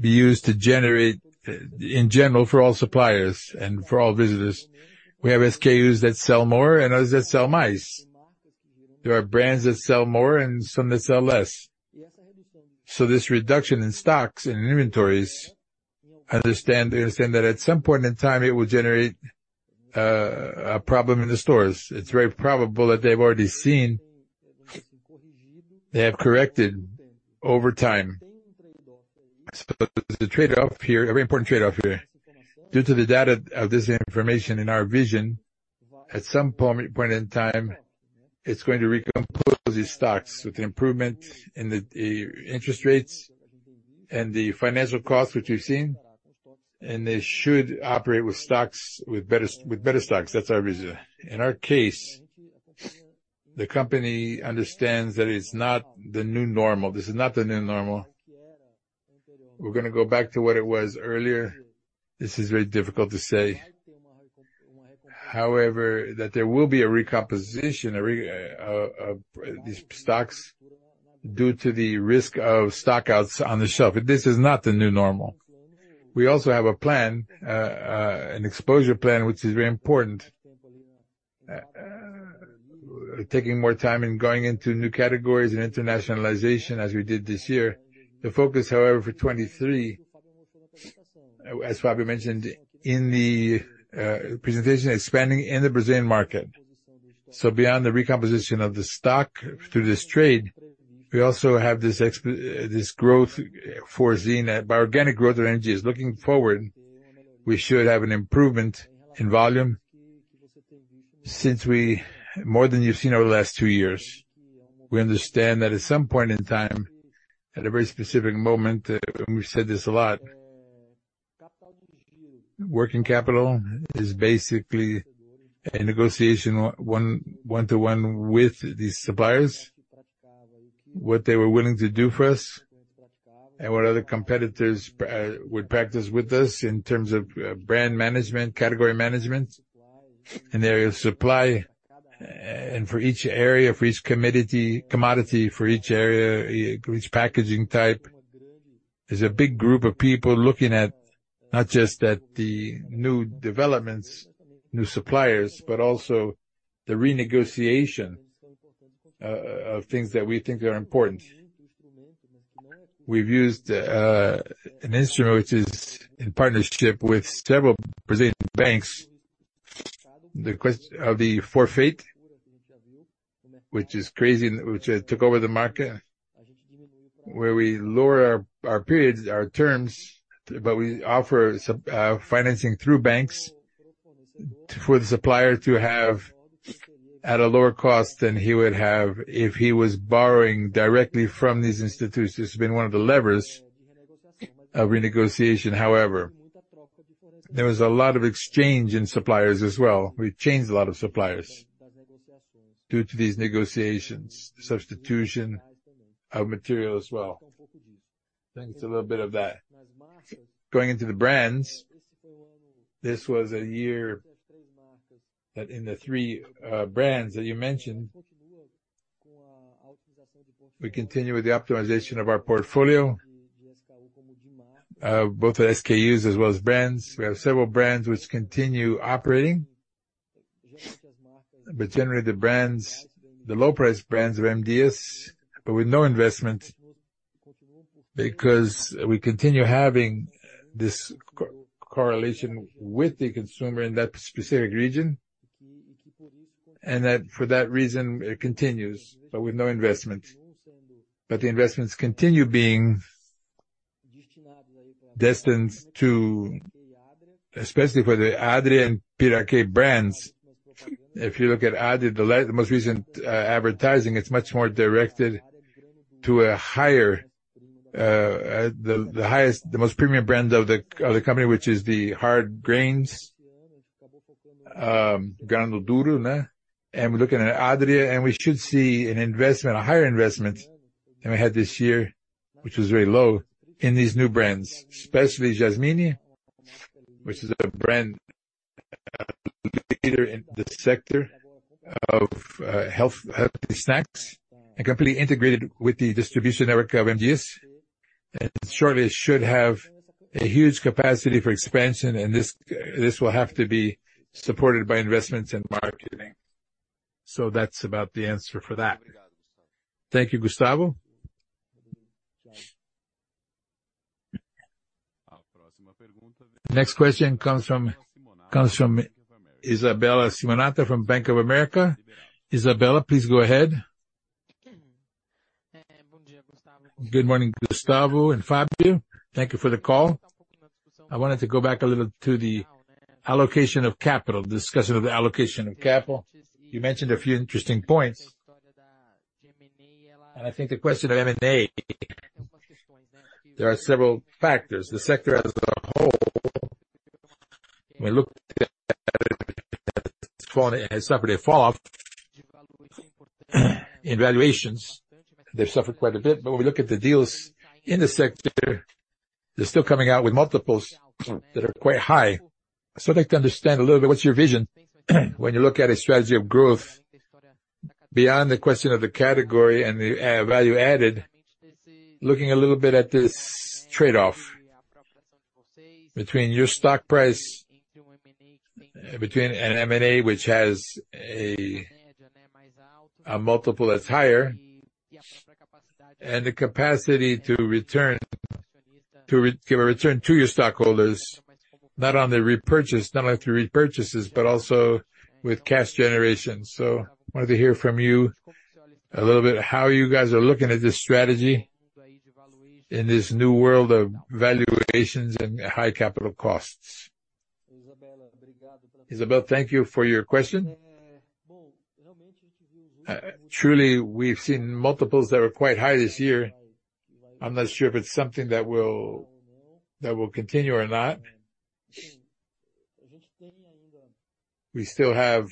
Speaker 2: be used to generate in general, for all suppliers and for all visitors. We have SKUs that sell more and others that sell less. There are brands that sell more and some that sell less. So this reduction in stocks and inventories, understand, we understand that at some point in time, it will generate a problem in the stores. It's very probable that they've already seen. They have corrected over time. So the trade-off here, a very important trade-off here, due to the data of this information in our vision, at some point in time, it's going to recompose these stocks with improvement in the interest rates and the financial costs, which we've seen, and they should operate with stocks with better stocks. That's our reason. In our case, the company understands that it's not the new normal. This is not the new normal. We're gonna go back to what it was earlier. This is very difficult to say. However, that there will be a recomposition of these stocks due to the risk of stockouts on the shelf. This is not the new normal. We also have a plan, an exposure plan, which is very important, taking more time and going into new categories and internationalization as we did this year. The focus, however, for 2023, as Fábio mentioned in the presentation, expanding in the Brazilian market. So beyond the recomposition of the stock through this trade, we also have this growth foreseen by organic growth range is looking forward. We should have an improvement in volume, more than you've seen over the last 2 years. We understand that at some point in time, at a very specific moment, and we've said this a lot, working capital is basically a negotiation, one-to-one with the suppliers. What they were willing to do for us and what other competitors would practice with us in terms of brand management, category management, and area of supply. For each area, for each commodity, for each area, each packaging type, is a big group of people looking at not just at the new developments, new suppliers, but also the renegotiation of things that we think are important. We've used an instrument which is in partnership with several Brazilian banks. The use of the forfait, which is crazy, which took over the market, where we lower our periods, our terms, but we offer financing through banks for the supplier to have at a lower cost than he would have if he was borrowing directly from these institutions. It's been one of the levers of renegotiation. However, there was a lot of exchange in suppliers as well. We've changed a lot of suppliers due to these negotiations, substitution of material as well. I think it's a little bit of that. Going into the brands, this was a year that in the three brands that you mentioned, we continue with the optimization of our portfolio, both the SKUs as well as brands. We have several brands which continue operating, but generally, the brands, the low-price brands of M. Dias, but with no investment, because we continue having this correlation with the consumer in that specific region, and that, for that reason, it continues, but with no investment. But the investments continue being destined to... Especially for the Adria and Piraquê brands. If you look at Adria, the most recent advertising, it's much more directed to a higher, the highest, the most premium brand of the company, which is the hard grains, Grano Duro, né? We're looking at Adria, and we should see an investment, a higher investment than we had this year, which was very low in these new brands, especially Jasmine, which is a brand leader in the sector of health, healthy snacks, and completely integrated with the distribution network of M. Dias. And shortly, should have a huge capacity for expansion, and this will have to be supported by investments in marketing. So that's about the answer for that.
Speaker 7: Thank you, Gustavo.
Speaker 1: Next question comes from Isabella Simonato from Bank of America. Isabella, please go ahead.
Speaker 8: Good morning, Gustavo and Fábio. Thank you for the call. I wanted to go back a little to the allocation of capital, discussion of the allocation of capital. You mentioned a few interesting points, and I think the question of M&A, there are several factors. The sector as a whole, when we look at it, it's suffered a fall-off in valuations, they've suffered quite a bit. But when we look at the deals in the sector, they're still coming out with multiples that are quite high. So I'd like to understand a little bit, what's your vision, when you look at a strategy of growth beyond the question of the category and the value added, looking a little bit at this trade-off between your stock price, between an M&A, which has a multiple that's higher, and the capacity to return to give a return to your stockholders, not on the repurchase, not only through repurchases, but also with cash generation. So I wanted to hear from you a little bit, how you guys are looking at this strategy in this new world of valuations and high capital costs.
Speaker 2: Isabel, thank you for your question. Truly, we've seen multiples that are quite high this year. I'm not sure if it's something that will continue or not. We still have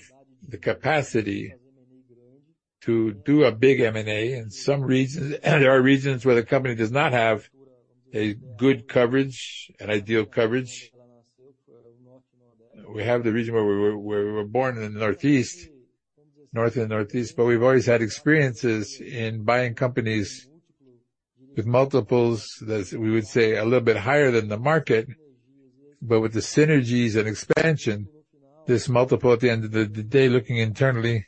Speaker 2: the capacity to do a big M&A in some regions, and there are regions where the company does not have a good coverage, an ideal coverage. We have the region where we were, we were born, in the Northeast, North and Northeast, but we've always had experiences in buying companies with multiples that we would say are a little bit higher than the market. But with the synergies and expansion, this multiple at the end of the, the day, looking internally,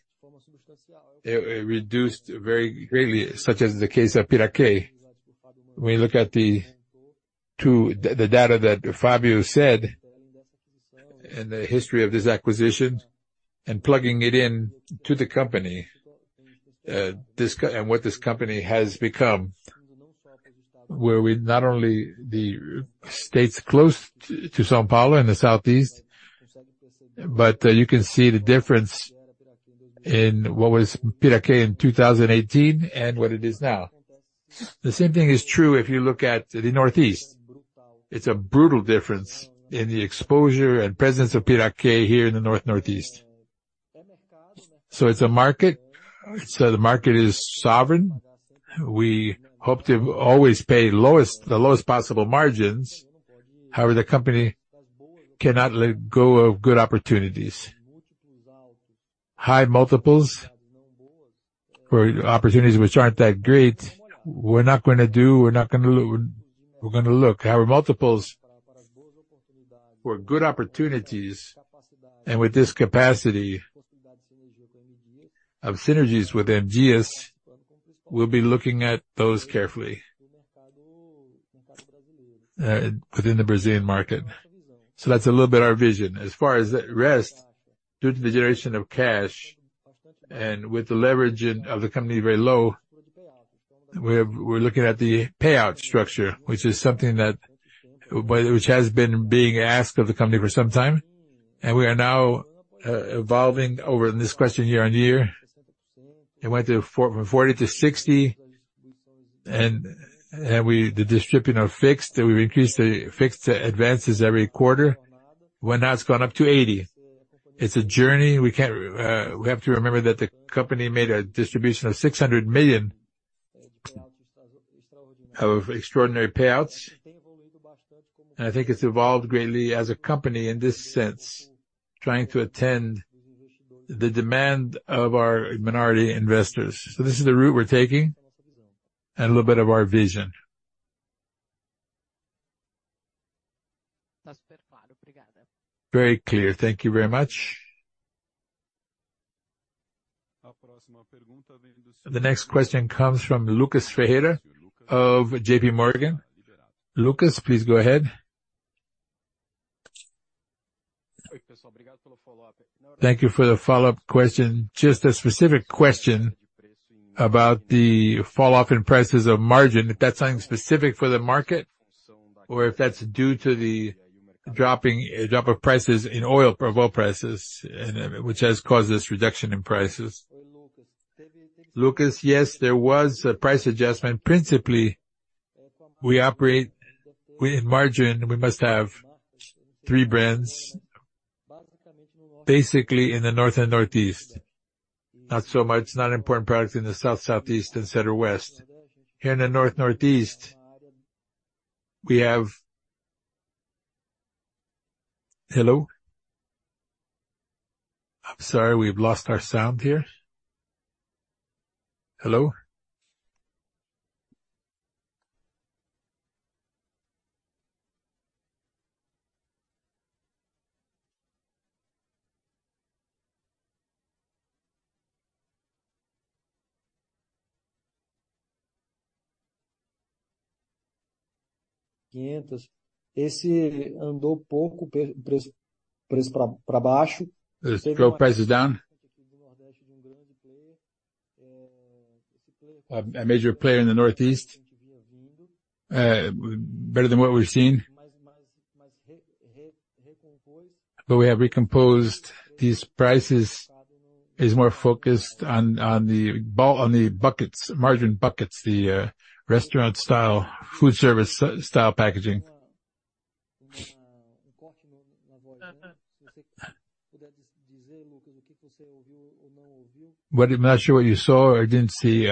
Speaker 2: it, it reduced very greatly, such as the case of Piraquê. When you look at the data that Fábio said, and the history of this acquisition, and plugging it in to the company, and what this company has become, where we not only the states close to São Paulo and the Southeast, but you can see the difference in what was Piraquê in 2018 and what it is now. The same thing is true if you look at the Northeast. It's a brutal difference in the exposure and presence of Piraquê here in the North, Northeast. So it's a market. So the market is sovereign. We hope to always pay the lowest possible margins. However, the company cannot let go of good opportunities. High multiples or opportunities which aren't that great, we're not gonna do, we're not gonna look. We're gonna look. However, multiples for good opportunities and with this capacity of synergies with M. Dias, we'll be looking at those carefully within the Brazilian market. So that's a little bit our vision. As far as the rest, due to the generation of cash and with the leverage of the company very low, we're looking at the payout structure, which is something that, but which has been being asked of the company for some time, and we are now evolving over this question year on year. It went from 40% to 60%, and we've increased the fixed advances every quarter. Well, now it's gone up to 80%. It's a journey. We can't, we have to remember that the company made a distribution of 600 million of extraordinary payouts, and I think it's evolved greatly as a company in this sense, trying to attend the demand of our minority investors. So this is the route we're taking and a little bit of our vision.
Speaker 8: Very clear. Thank you very much.
Speaker 1: The next question comes from Lucas Ferreira of JP Morgan. Lucas, please go ahead.
Speaker 6: Thank you for the follow-up question. Just a specific question about the fall off in prices of margarine, if that's something specific for the market or if that's due to the dropping, drop of prices in oil, of oil prices, and which has caused this reduction in prices. Lucas, yes, there was a price adjustment. Principally, we operate with margarine, we must have three brands, basically in the North and Northeast. Not so much, not an important product in the South, Southeast, and Center West. Here in the North, Northeast, we have... Hello? I'm sorry, we've lost our sound here. Hello? The slow prices down. A major player in the Northeast, better than what we've seen. But we have recomposed these prices, is more focused on, on the buckets, margin buckets, the restaurant style, food service style packaging. Well, I'm not sure what you saw or didn't see.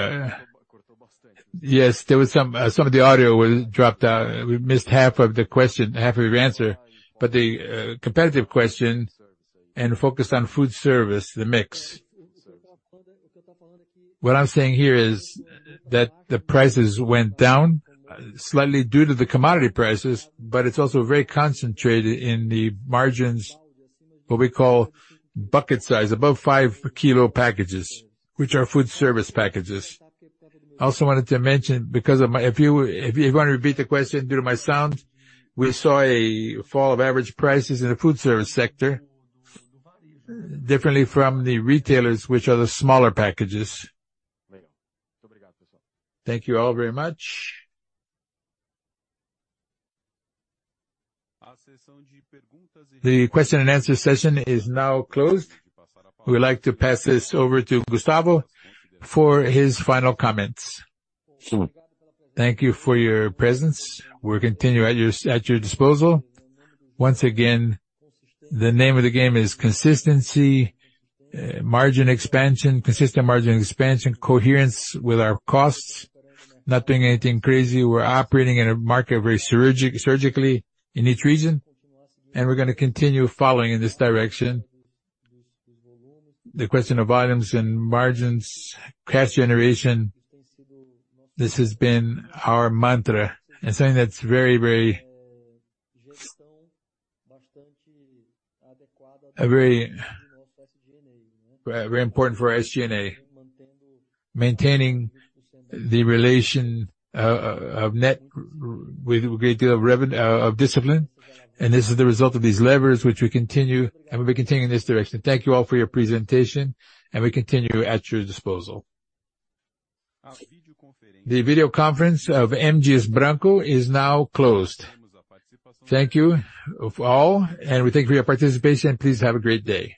Speaker 2: Yes, there was some, some of the audio was dropped out. We missed half of the question, half of your answer, but the competitive question and focused on food service, the mix. What I'm saying here is that the prices went down slightly due to the commodity prices, but it's also very concentrated in the margins, what we call bucket size, above five kilo packages, which are food service packages. I also wanted to mention, because of my—if you, if you want to repeat the question, due to my sound, we saw a fall of average prices in the food service sector, differently from the retailers, which are the smaller packages. Thank you all very much. The question and answer session is now closed. We'd like to pass this over to Gustavo for his final comments. Thank you for your presence. We'll continue at your, at your disposal. Once again, the name of the game is consistency, margin expansion, consistent margin expansion, coherence with our costs, not doing anything crazy. We're operating in a market very surgically in each region, and we're gonna continue following in this direction. The question of volumes and margins, cash generation, this has been our mantra, and something that's very, very, very, very important for our SG&A. Maintaining the relation of net with a great deal of discipline, and this is the result of these levers, which we continue, and we'll be continuing this direction. Thank you all for your presentation, and we continue at your disposal.
Speaker 1: The video conference of M. Dias Branco is now closed. Thank you all, and we thank you for your participation. Please have a great day.